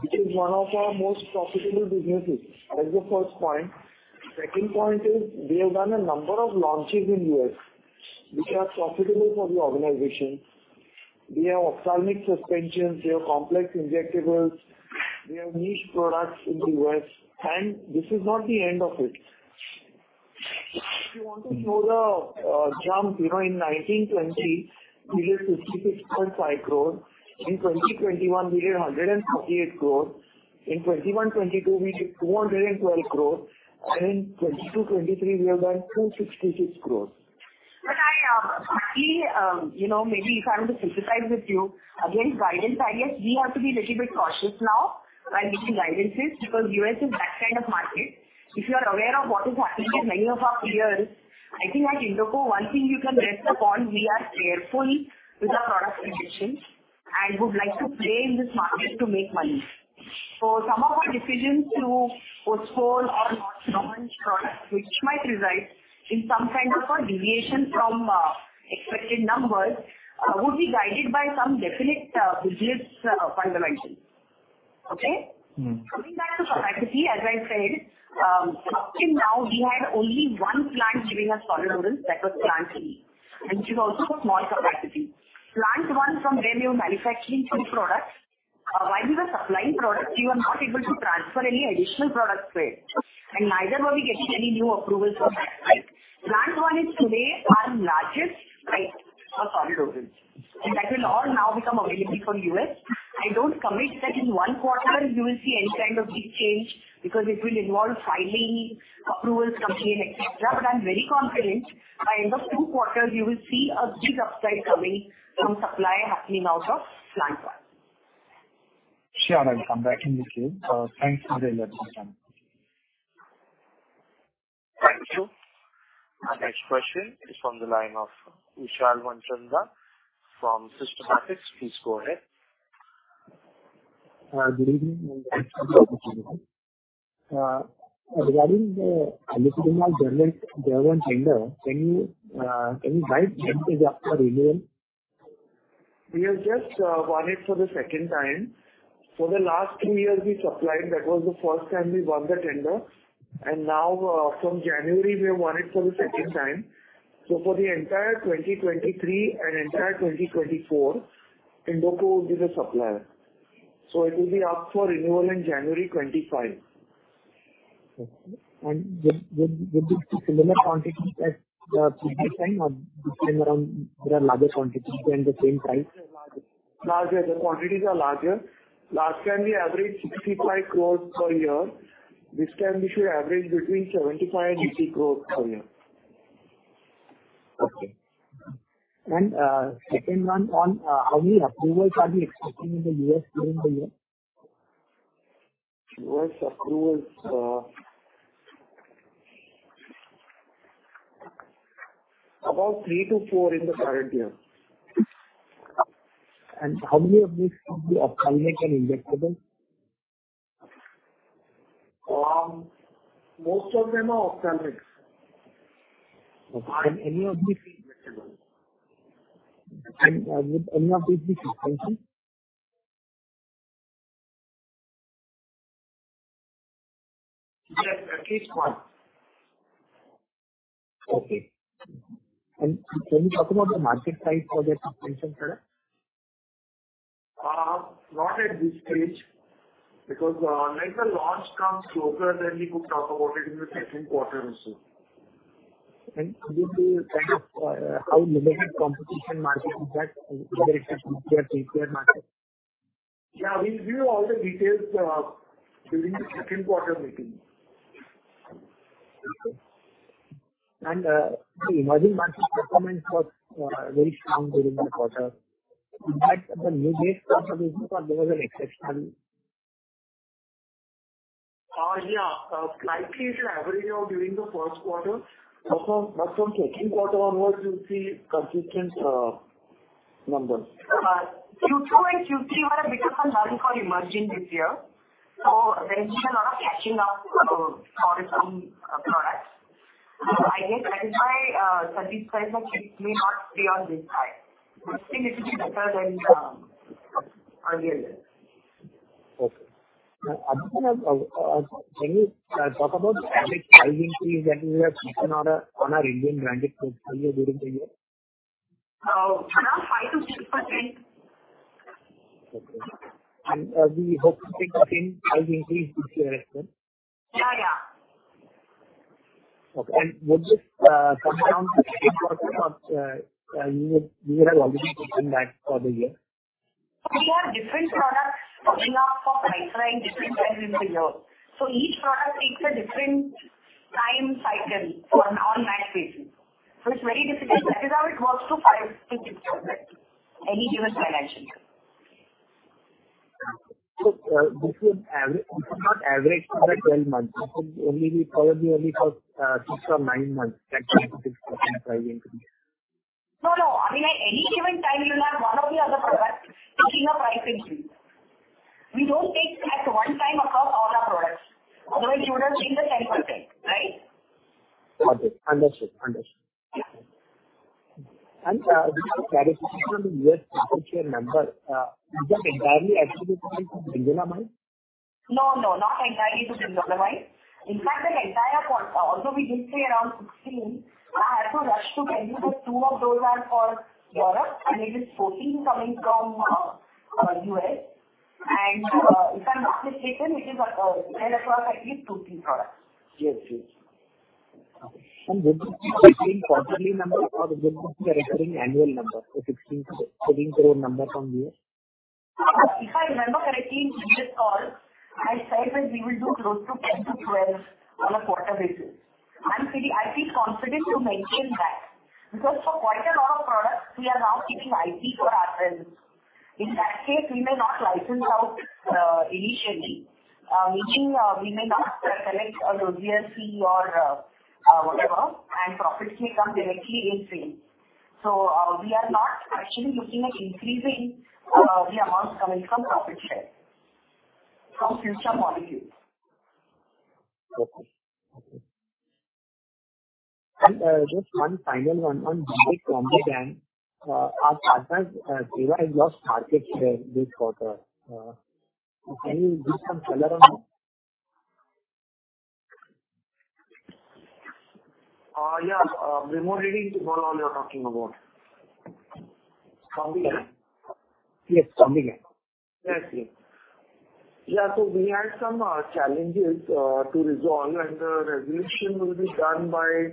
which is one of our most profitable businesses. That is the first point. Second point is, we have done a number of launches in U.S. which are profitable for the organization. We have ophthalmic suspensions, we have complex injectables, we have niche products in the U.S., and this is not the end of it. If you want to show the jump, you know, in 2019-2020, we did 66.5 crore. In 2020-2021 we did 158 crore. In 2021-2022 we did 212 crore. In 2022-2023 we have done 266 crore. Aactually, you know, maybe if I'm to synthesize with you, again, guidance, I guess we have to be little bit cautious now while giving guidances because U.S. is that kind of market. If you are aware of what is happening with many of our peers, I think at Indoco, one thing you can rest upon, we are careful with our product submissions and would like to play in this market to make money. Some of our decisions to postpone or not launch products which might result in some kind of a deviation from expected numbers would be guided by some definite business fundamentals. Okay?... Coming back to capacity, as I said, up till now we had only one plant giving us solid orals that was Plant Three, which is also a small capacity. Plant One from where we were manufacturing three products, while we were supplying products, we were not able to transfer any additional products there, and neither were we getting any new approvals for that site. Plant One is today our largest site for solid orals, and that will all now become available for U.S. I don't commit that in one quarter you will see any kind of big change because it will involve filing approvals, company, et cetera. I'm very confident by end of two quarters you will see a big upside coming from supply happening out of Plant One. Sure, I'll come back in the queue. Thanks for the elaborate answer. Thank you. Our next question is from the line of Vishal Manchanda from Systematix. Please go ahead. Good evening. Thanks for the opportunity. Regarding the Allopurinol overnment tender, can you guide when it is up for renewal? We have just won it for the second time. For the last two years we supplied, that was the first time we won the tender. Now, from January we have won it for the second time. For the entire 2023 and entire 2024, Indoco will be the supplier. It will be up for renewal in January 2025. Okay. Would it be similar quantities as the previous time or this time around there are larger quantities and the same price? Larger. The quantities are larger. Last time we averaged 65 crores per year. This time we should average between 75 crores-80 crores per year. Okay. Second one on, how many approvals are we expecting in the U.S. during the year? U.S. approvals, about three to four in the current year. How many of these would be ophthalmic and injectable? Most of them are ophthalmic. Okay. Would any of these be prescription? Yes, at least one. Okay. Can you talk about the market size for that compression product? Not at this stage, because as the launch comes closer, then we could talk about it in the second quarter results. Could you say, kind of, how limited competition market is that? Whether it's a three-player, two-player market. Yeah, we'll give you all the details, during the second quarter meeting. The emerging markets performance was very strong during the quarter. In fact, the new date confirmation, or there was an exception. Yeah. Likely it's an average of during the first quarter. That's from second quarter onwards, you'll see consistent numbers. Q2 and Q3 were a bit of a lull for emerging this year. There's been a lot of catching up for some products. I guess that is why Satish said that Q4 may not be on this high. Next thing it will be better than earlier years. Abhilash, can you talk about the average price increase that you have taken on a Indian branded portfolio during the year? Around 5%-6%. Okay. Are we hoping to get the same price increase this year as well? Yeah, yeah. Okay. Would this come down to third quarter or you would have already taken that for the year? We have different products coming up for pricing different times in the year. Each product takes a different time cycle on an annual basis. It's very difficult. That is how it works through 5%-6% at any given time actually. This is not average for the 12 months. This will only be probably only for six or nine months, that 5%-6% price increase. No, no. I mean, at any given time you'll have one or the other product taking a price increase. We don't take at one time across all our products. Otherwise, you would have seen the 10%, right? Okay. Understood. Understood. Yeah. Could you clarify, specifically on the U.S. profit share number, is that entirely attributable to Bendamustine? No, not entirely to Bendamustine. In fact, the entire quarter, although we did say around 16, out of that two can be two of those are for Europe, and it is 14 coming from U.S. If I'm not mistaken, it is benefit of at least two, three products. Yes, yes. Okay. Would this be 16 quarterly numbers or would this be a recurring annual number, so INR 16 crore-INR 18 crore number from the US? If I remember correctly, in this call, I said that we will do close to 10-12 on a quarter basis. CD, I feel confident to maintain that because for quite a lot of products we are now keeping IP for ourselves. In that case, we may not license out initially, meaning, we may not collect our GRC or whatever, and profits may come directly in sales. We are not actually looking at increasing the amounts coming from profit share from future molecules. Okay. Okay. Just one final one on Bendake Combigan. Our partners, Teva has lost market share this quarter. Can you give some color on that? Yeah. We're more ready to follow what you're talking about. Combigan? Yes, Combigan. Yes. Yeah. We had some challenges to resolve, the resolution will be done by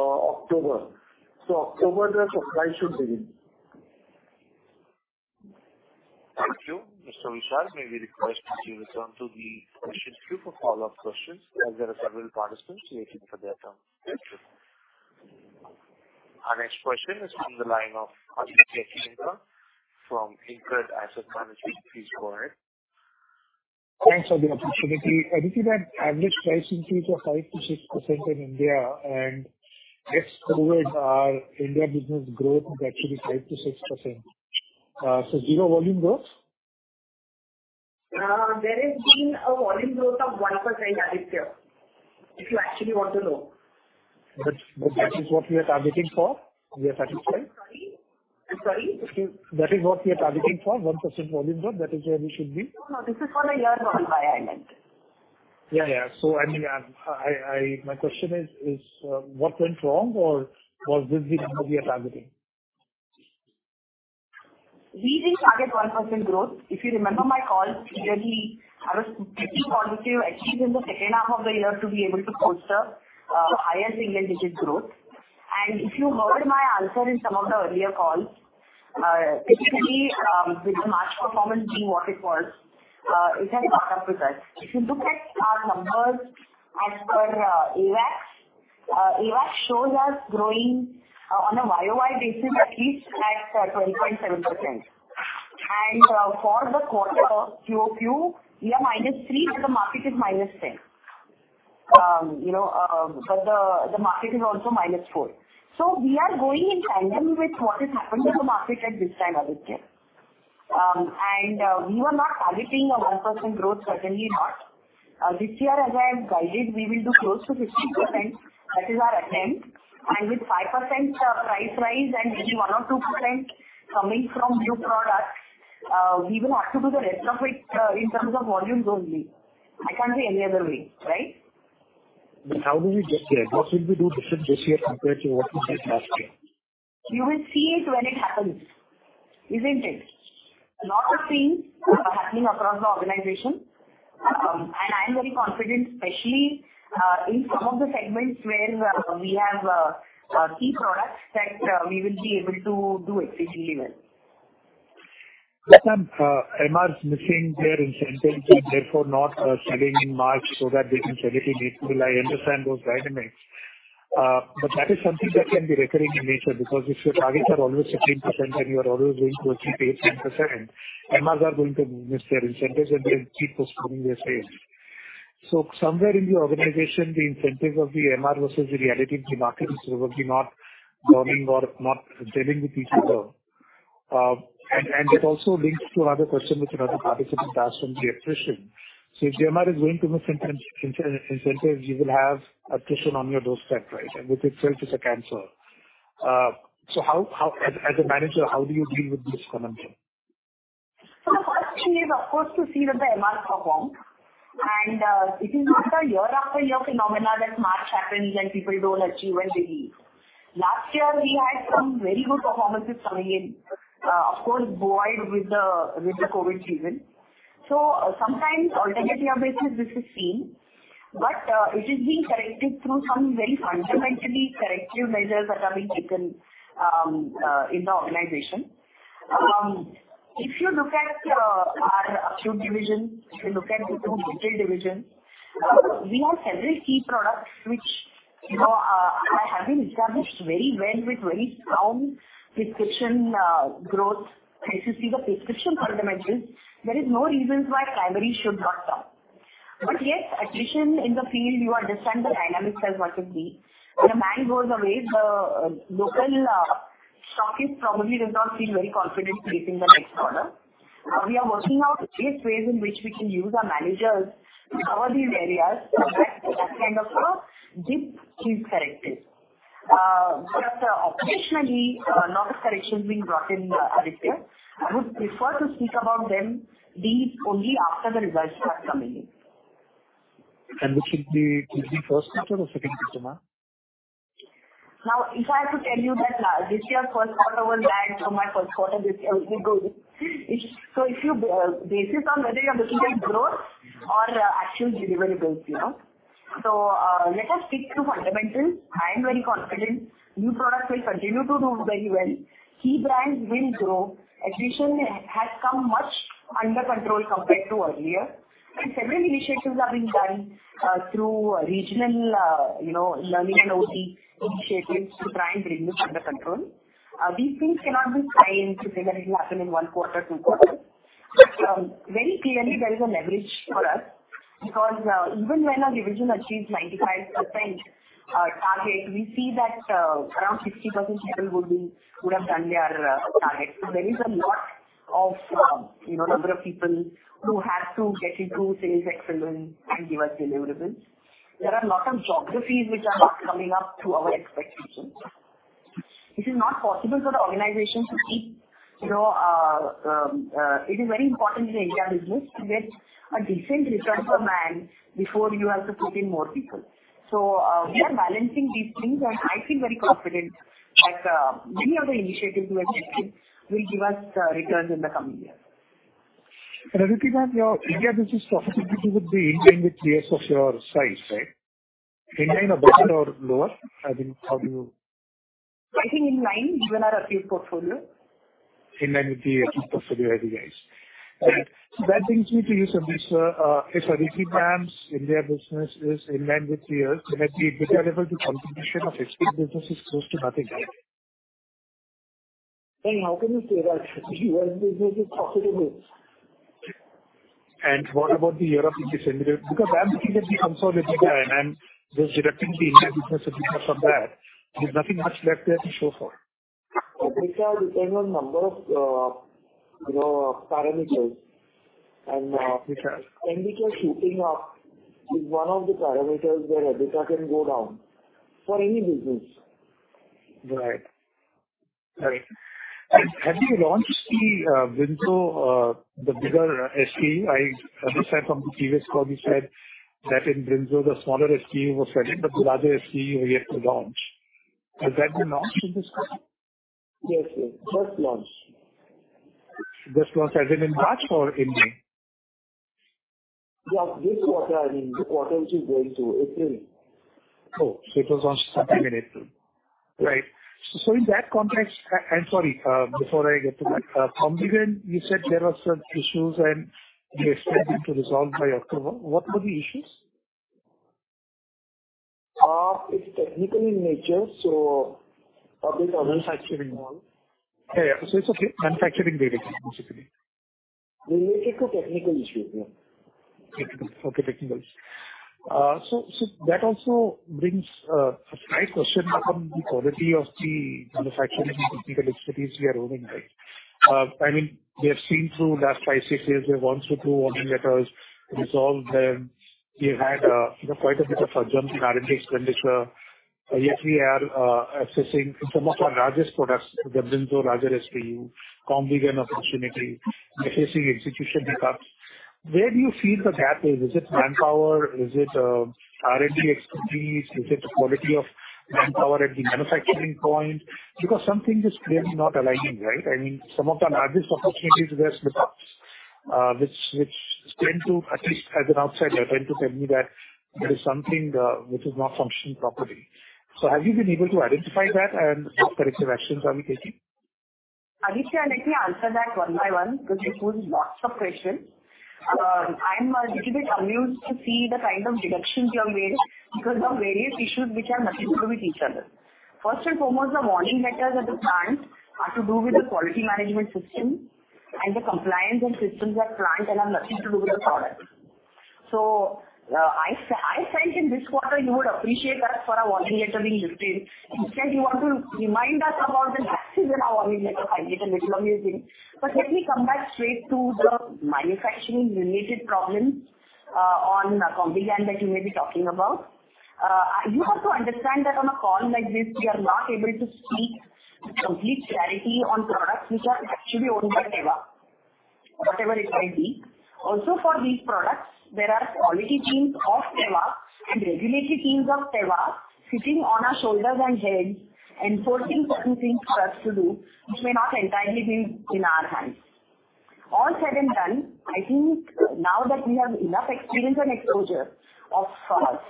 October. October the supply should begin. Thank you. Mr. Vishal, may we request that you return to the question queue for follow-up questions, as there are several participants waiting for their turn. Thank you. Our next question is from the line of Aditya Singhania from InCred Asset Management. Please go ahead. Thanks for the opportunity. I think that average price increase of 5%-6% in India and next forward our India business growth is actually 5%-6%. Zero volume growth? There has been a volume growth of 1%, Aditya, if you actually want to know. That is what we are targeting for? We are satisfied? I'm sorry. I'm sorry? That is what we are targeting for, 1% volume growth? That is where we should be? No, This is for the year run by island. Yeah, I mean, I my question is, what went wrong or was this the number we are targeting? We didn't target 1% growth. If you remember my calls clearly, I was pretty positive at least in the second half of the year to be able to post a higher single-digit growth. If you heard my answer in some of the earlier calls, typically, with the March performance being what it was, it has caught up with us. If you look at our numbers as per AWACS shows us growing on a year-over-year basis, at least at 20.7%. For the quarter quarter-over-quarter, we are -3%, but the market is -10%. you know, but the market is also -4%. We are going in tandem with what is happening in the market at this time, Aditya. We were not targeting a 1% growth, certainly not. This year as I have guided, we will do close to 15%. That is our attempt. With 5%, price rise and maybe 1% or 2% coming from new products, we will have to do the rest of it, in terms of volumes only. I can't say any other way, right? How do we get there? What should we do different this year compared to what we did last year? You will see it when it happens. Isn't it? A lot of things are happening across the organization. I'm very confident, especially, in some of the segments where we have key products that we will be able to do exceedingly well. Ma'am, MR is missing their incentives and therefore not selling in March so that they can sell it in April. I understand those dynamics. That is something that can be recurring in nature, because if your targets are always 15% and you are always going to achieve 8%, 10%, MRs are going to miss their incentives and they'll keep postponing their sales. Somewhere in the organization, the incentives of the MR versus the reality of the market is probably not gelling or not telling the people well. That also links to another question which another participant asked on the attrition. If the MR is going to miss incentives, you will have attrition on your doorstep, right? Which itself is a cancer. As, as a manager, how do you deal with this conundrum? The first key is of course to see that the MR perform. It is not a year-on-year phenomena that March happens and people don't achieve and they leave. Last year we had some very good performances coming in, of course buoyed with the, with the COVID season. Sometimes alternatively, this is seen, but it is being corrected through some very fundamentally corrective measures that are being taken in the organization. If you look at our acute division, if you look at the two retail division, we have several key products which, you know, are have been established very well with very strong prescription growth. If you see the prescription fundamentals, there is no reasons why primary should not come. Yes, attrition in the field, you understand the dynamics as what it be. When a man goes away, the local shopkeeper probably does not feel very confident placing the next order. We are working out various ways in which we can use our managers to cover these areas so that that kind of dip is corrected. Operationally, a lot of corrections being brought in every day. I would prefer to speak about them these only after the results start coming in. This is first quarter or second quarter, ma'am? If I have to tell you that this year's first quarter was bad, tomorrow first quarter will be good. If you basis on whether your decision grows or actual deliverables, you know. Let us stick to fundamentals. I am very confident new products will continue to do very well. Key brands will grow. Attrition has come much under control compared to earlier. Several initiatives are being done through regional, you know, learning and OT initiatives to try and bring this under control. These things cannot be tried to say that it'll happen in one quarter, two quarters. Very clearly there is a leverage for us because even when our division achieves 95% target, we see that around 60% people would have done their target. There is a lot of, you know, number of people who have to get into sales excellence and give us deliverables. There are a lot of geographies which are not coming up to our expectations. It is not possible for the organization to keep, you know. It is very important in the India business to get a decent return of a man before you have to put in more people. We are balancing these things, and I feel very confident, like, many of the initiatives we are taking will give us returns in the coming years. Everything that your India business is possibly people would be in line with peers of your size, right? In line or better or lower? I mean, I think in line, given our acute portfolio. In line with the acute portfolio that you guys- Yes. That brings me to use of this, if everything Ma'am's India business is in line with peers, then at the EBITDA level, the contribution of its business is close to nothing, right? How can you say that your business is profitable? What about the year of INR 57 million? Because everything that we consolidated and this directly impact business apart from that, there's nothing much left there to show for. EBITDA depend on number of, you know, parameters. Which are? NBT shooting up is one of the parameters where EBITDA can go down for any business. Right. Right. Have you launched the Brinzox the bigger SKU? I understand from the previous call you said that in Brinzox the smaller SKU was ready, but the larger SKU you are yet to launch. Has that been launched in this quarter? Yes, yes. Just launched. Just launched as in in March or in May? Yeah, this quarter, I mean, the quarter which is going to April. It was launched sometime in April. Right. In that context, I'm sorry, before I get to that. Comvigen you said there were certain issues and you're expecting to resolve by October. What were the issues? It's technical in nature, so. Manufacturing one. Yeah, yeah. Manufacturing basics basically. Related to technical issue, yeah. Okay, technicals. That also brings a slight question on the quality of the manufacturing and technical expertise we are owning, right? I mean, we have seen through last five to six years, we have gone through two warning letters, resolved them. We've had quite a bit of a jump in R&D expenditure. Yet we are assessing some of our largest products, the Brinzol, Rajah SKU, Combigan, opportunity, facing execution hiccups. Where do you feel the gap is? Is it manpower? Is it R&D expertise? Is it the quality of manpower at the manufacturing point? Something is clearly not aligning, right? I mean, some of our largest opportunities, there are hiccups, which seem to, at least as an outsider, trying to tell me that there is something which is not functioning properly. Have you been able to identify that and what corrective actions are we taking? Aditya, let me answer that one by one, because you pose lots of questions. I'm a little bit amused to see the kind of deductions you have made because of various issues which are nothing to do with each other. The warning letters at the plant have to do with the quality management system and the compliance and systems at plant and have nothing to do with the product. I think in this quarter you would appreciate us for our warning letter being lifted. Instead, you want to remind us about the lapses in our warning letter 5 years and which nobody is in. Let me come back straight to the manufacturing related problems on Combigan that you may be talking about. You have to understand that on a call like this, we are not able to speak with complete clarity on products which are actually owned by Teva, whatever it may be. Also for these products, there are quality teams of Teva and regulatory teams of Teva sitting on our shoulders and heads enforcing certain things for us to do, which may not entirely be in our hands. All said and done, I think now that we have enough experience and exposure of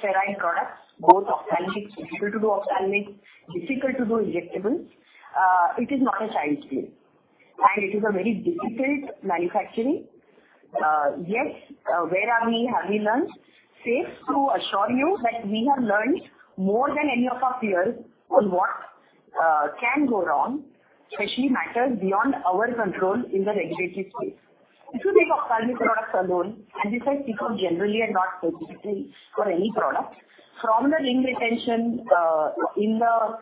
sterile products, both ophthalmic, difficult to do ophthalmic, difficult to do injectables. It is not a child's play, and it is a very difficult manufacturing. Yes, where are we? Have we learned? Safe to assure you that we have learned more than any of our peers on what can go wrong, especially matters beyond our control in the regulatory space. If you take ophthalmic products alone, and this I speak of generally and not specifically for any product. From the link retention in the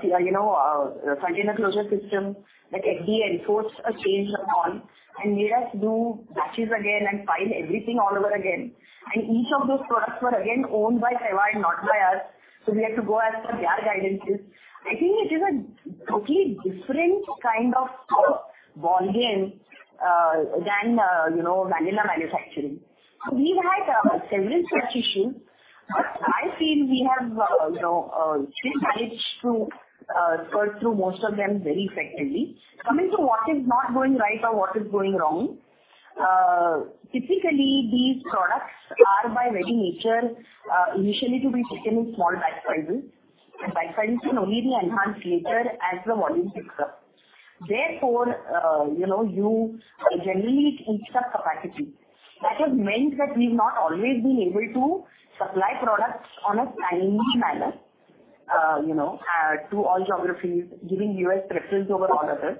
container closure system that FDA enforced a change on and made us do batches again and file everything all over again. Each of those products were again owned by Teva and not by us, so we had to go as per their guidances. I think it is a totally different kind of ballgame than vanilla manufacturing. We've had several such issues, but I feel we have still managed to spurge through most of them very effectively. Coming to what is not going right or what is going wrong, typically these products are by very nature, initially to be taken in small batch sizes, and batch sizes can only be enhanced later as the volume picks up. Therefore, you know, you generally eat up capacity. That has meant that we've not always been able to supply products on a timely manner, you know, to all geographies, giving U.S. preference over all others.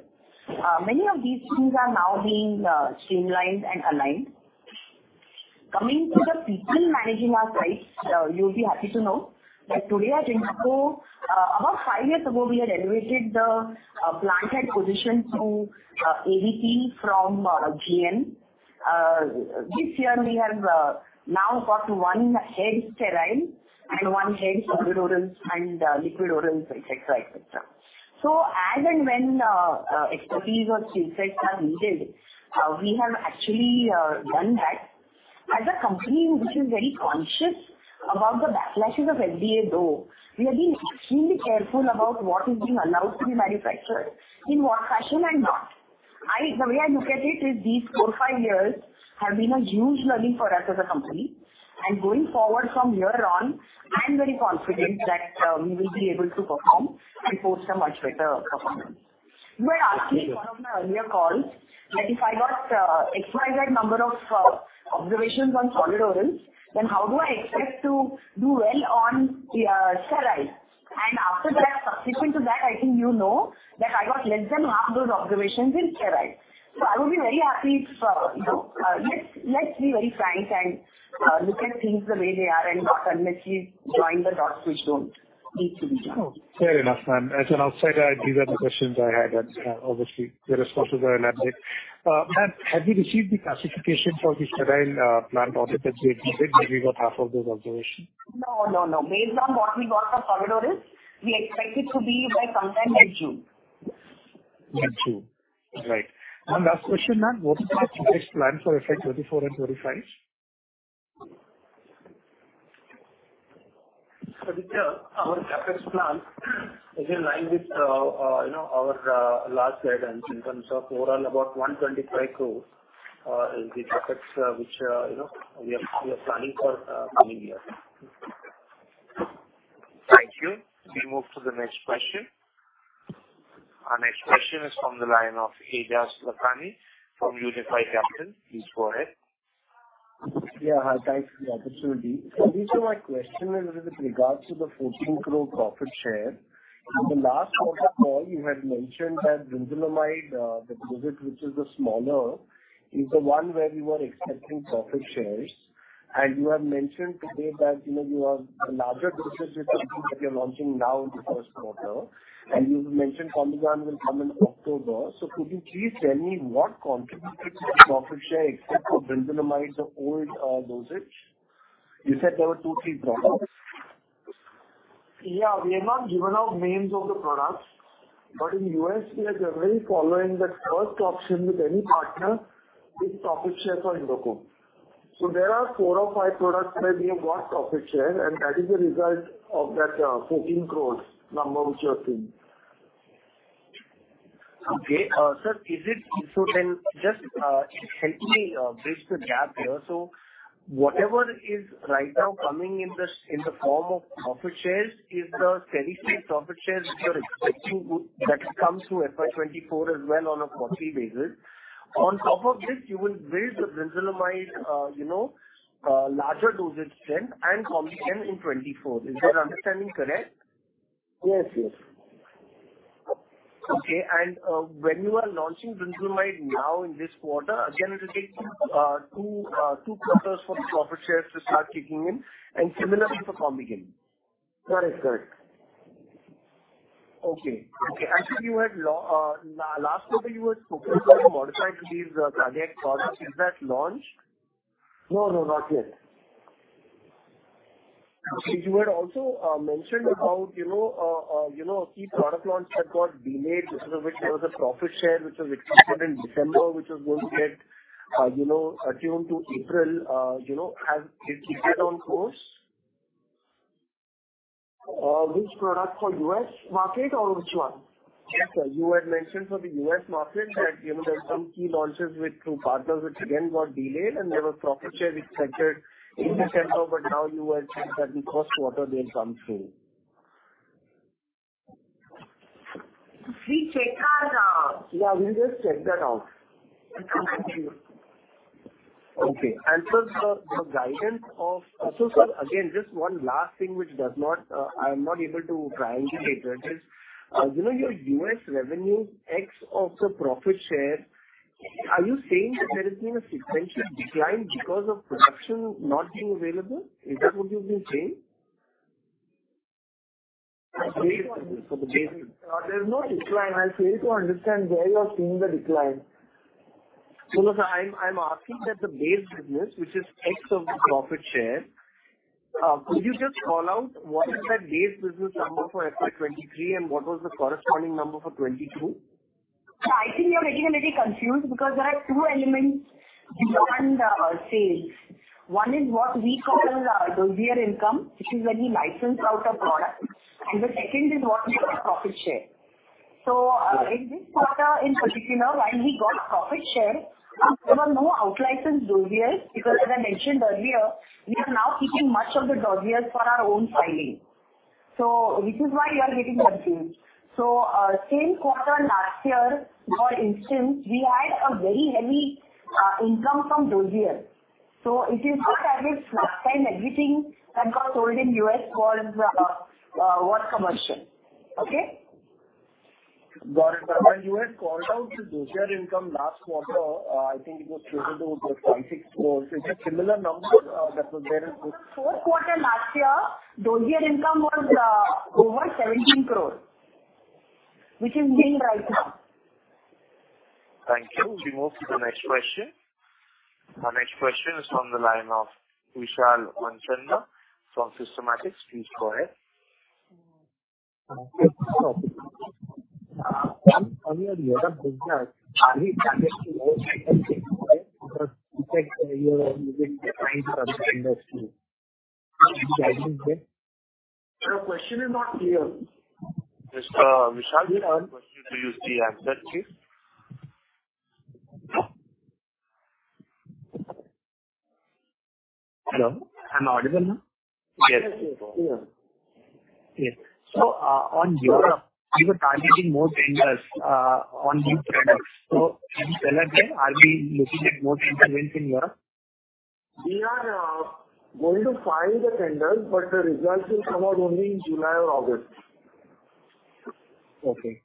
Many of these things are now being streamlined and aligned. Coming to the people managing our sites, you'll be happy to know that today at Zydus, about five years ago, we had elevated the plant head position to AVP from GM. This year we have now got one head sterile and one head solid orals and liquid orals, etcetera. As and when expertise or skill sets are needed, we have actually done that. As a company which is very conscious about the backlashes of FDA though, we have been extremely careful about what is being allowed to be manufactured in what fashion and not. The way I look at it is these four, five years have been a huge learning for us as a company. Going forward from here on, I'm very confident that we will be able to perform and post a much better performance. You were asking in one of my earlier calls that if I got XYZ number of observations on solid orals, then how do I expect to do well on sterile? After that, subsequent to that, I think you know that I got less than half those observations in sterile. I would be very happy if, you know, let's be very frank and look at things the way they are and not unless you're joining the dots which don't need to be done. Fair enough, ma'am. As an outsider, these are the questions I had. Obviously the responses are elaborate. Ma'am, have you received the classification for the sterile plant authorization where we got half of those observations? No, no. Based on what we got for solid orals, we expect it to be by sometime by June. By June. Right. One last question, ma'am. What is the CapEx plan for FY 24 and 25? Aditya, our CapEx plan is in line with, you know, our last guidance in terms of overall about 120 crore is the CapEx which, you know, we are planning for coming year. Thank you. We move to the next question. Our next question is from the line of Ejaz A. Lathani from Unifi Capital. Please go ahead. Yeah. Hi. Thanks for the opportunity. These are my question in regards to the 14 crore profit share. In the last quarter call you had mentioned that Brinzolamide, the visit which is the smaller, is the one where we were expecting profit shares. You have mentioned today that, you know, you have a larger dosage that you're launching now in the first quarter, and you mentioned Comvigen will come in October. Could you please tell me what contributed to the profit share except for Indapamide, the old, dosage? You said there were two, three products. Yeah. We have not given out names of the products. In U.S., we are generally following the first option with any partner with profit share for Indoco. There are four or five products where we have got profit share, and that is the result of that 14 crores number which you have seen. Okay. sir, just help me bridge the gap here. Whatever is right now coming in this, in the form of profit shares is the steady-state profit shares you are expecting that comes through FY 2024 as well on a quarterly basis. On top of this, you will build the Indapamide, you know, larger dosage then and Comvigen in 2024. Is my understanding correct? Yes, yes. Okay. When you are launching Indapamide now in this quarter, again, it'll take two quarters for the profit shares to start kicking in and similarly for Combigan. That is correct. Okay. Okay. Sir, you had last quarter you were focusing on modified release cardiac product. Is that launched? No, no, not yet. Okay. You had also, mentioned about, you know, key product launch that got delayed, because of which there was a profit share which was expected in December, which was going to get, you know, attuned to April, you know. Is it on course? Which product? For US market or which one? Yes, sir. You had mentioned for the U.S. market that, you know, there are some key launches with two partners which again got delayed and there were profit share expected in December. Now you had said that because quarter they'll come through. We check our. Yeah, we'll just check that out. Okay. Sir, the guidance of... Sir, again, just one last thing which does not, I'm not able to triangulate, that is, you know, your U.S. revenue X of the profit share, are you saying that there has been a sequential decline because of production not being available? Is that what you've been saying? For the base business. There's no decline. I fail to understand where you are seeing the decline. No, no, sir. I'm asking that the base business, which is X of the profit share, could you just call out what is that base business number for FY 23 and what was the corresponding number for 22? I think you're getting a little confused because there are two elements beyond sales. One is what we call the year income, which is when we license out a product, and the second is what we call profit share. In this quarter in particular, while we got profit share, there were no out-licensed those years because as I mentioned earlier, we are now keeping much of the those years for our own filing. Which is why you are getting confused. Same quarter last year, for instance, we had a very heavy income from those years. It is just that it's lifetime everything that got sold in U.S. for what commercial. Okay? Got it. When you had called out the those year income last quarter, I think it was closer to some 6 crore. It's a similar number that was there. Fourth quarter last year, those year income was, over 17 crore, which is being right now. Thank you. We move to the next question. Our next question is from the line of Vishal Manchanda from Systematix. Please go ahead. On your Europe business, are we targeting more tenders on new products? Can you elaborate are we looking at more tender wins in Europe? We are going to file the tenders, but the results will come out only in July or August. Okay.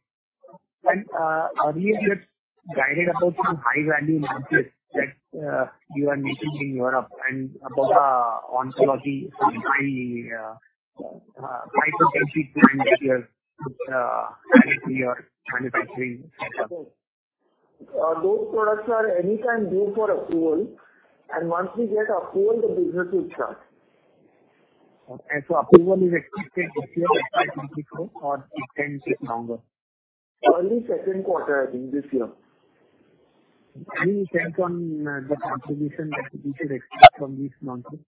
Earlier you had guided about some high value markets that you are making in Europe and about oncology, some high potency ingredients which added to your manufacturing setup. Those products are any time due for approval. Once we get approval, the business will start. Approval is expected this year, in FY 24, or it can take longer? Early second quarter in this year. Any sense on the contribution that we should expect from these launches?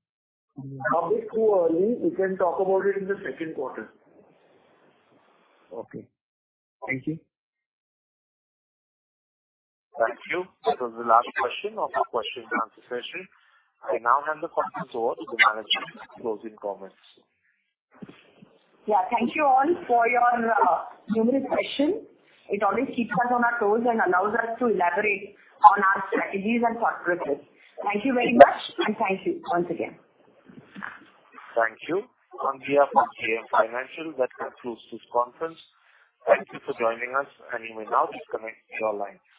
Now it's too early. We can talk about it in the second quarter. Okay. Thank you. Thank you. That was the last question of the question and answer session. I now hand the conference over to the management for closing comments. Yeah. Thank you all for your numerous questions. It always keeps us on our toes and allows us to elaborate on our strategies and thought process. Thank you very much and thank you once again. Thank you. On behalf of JM Financial, that concludes this conference. Thank you for joining us, and you may now disconnect your lines.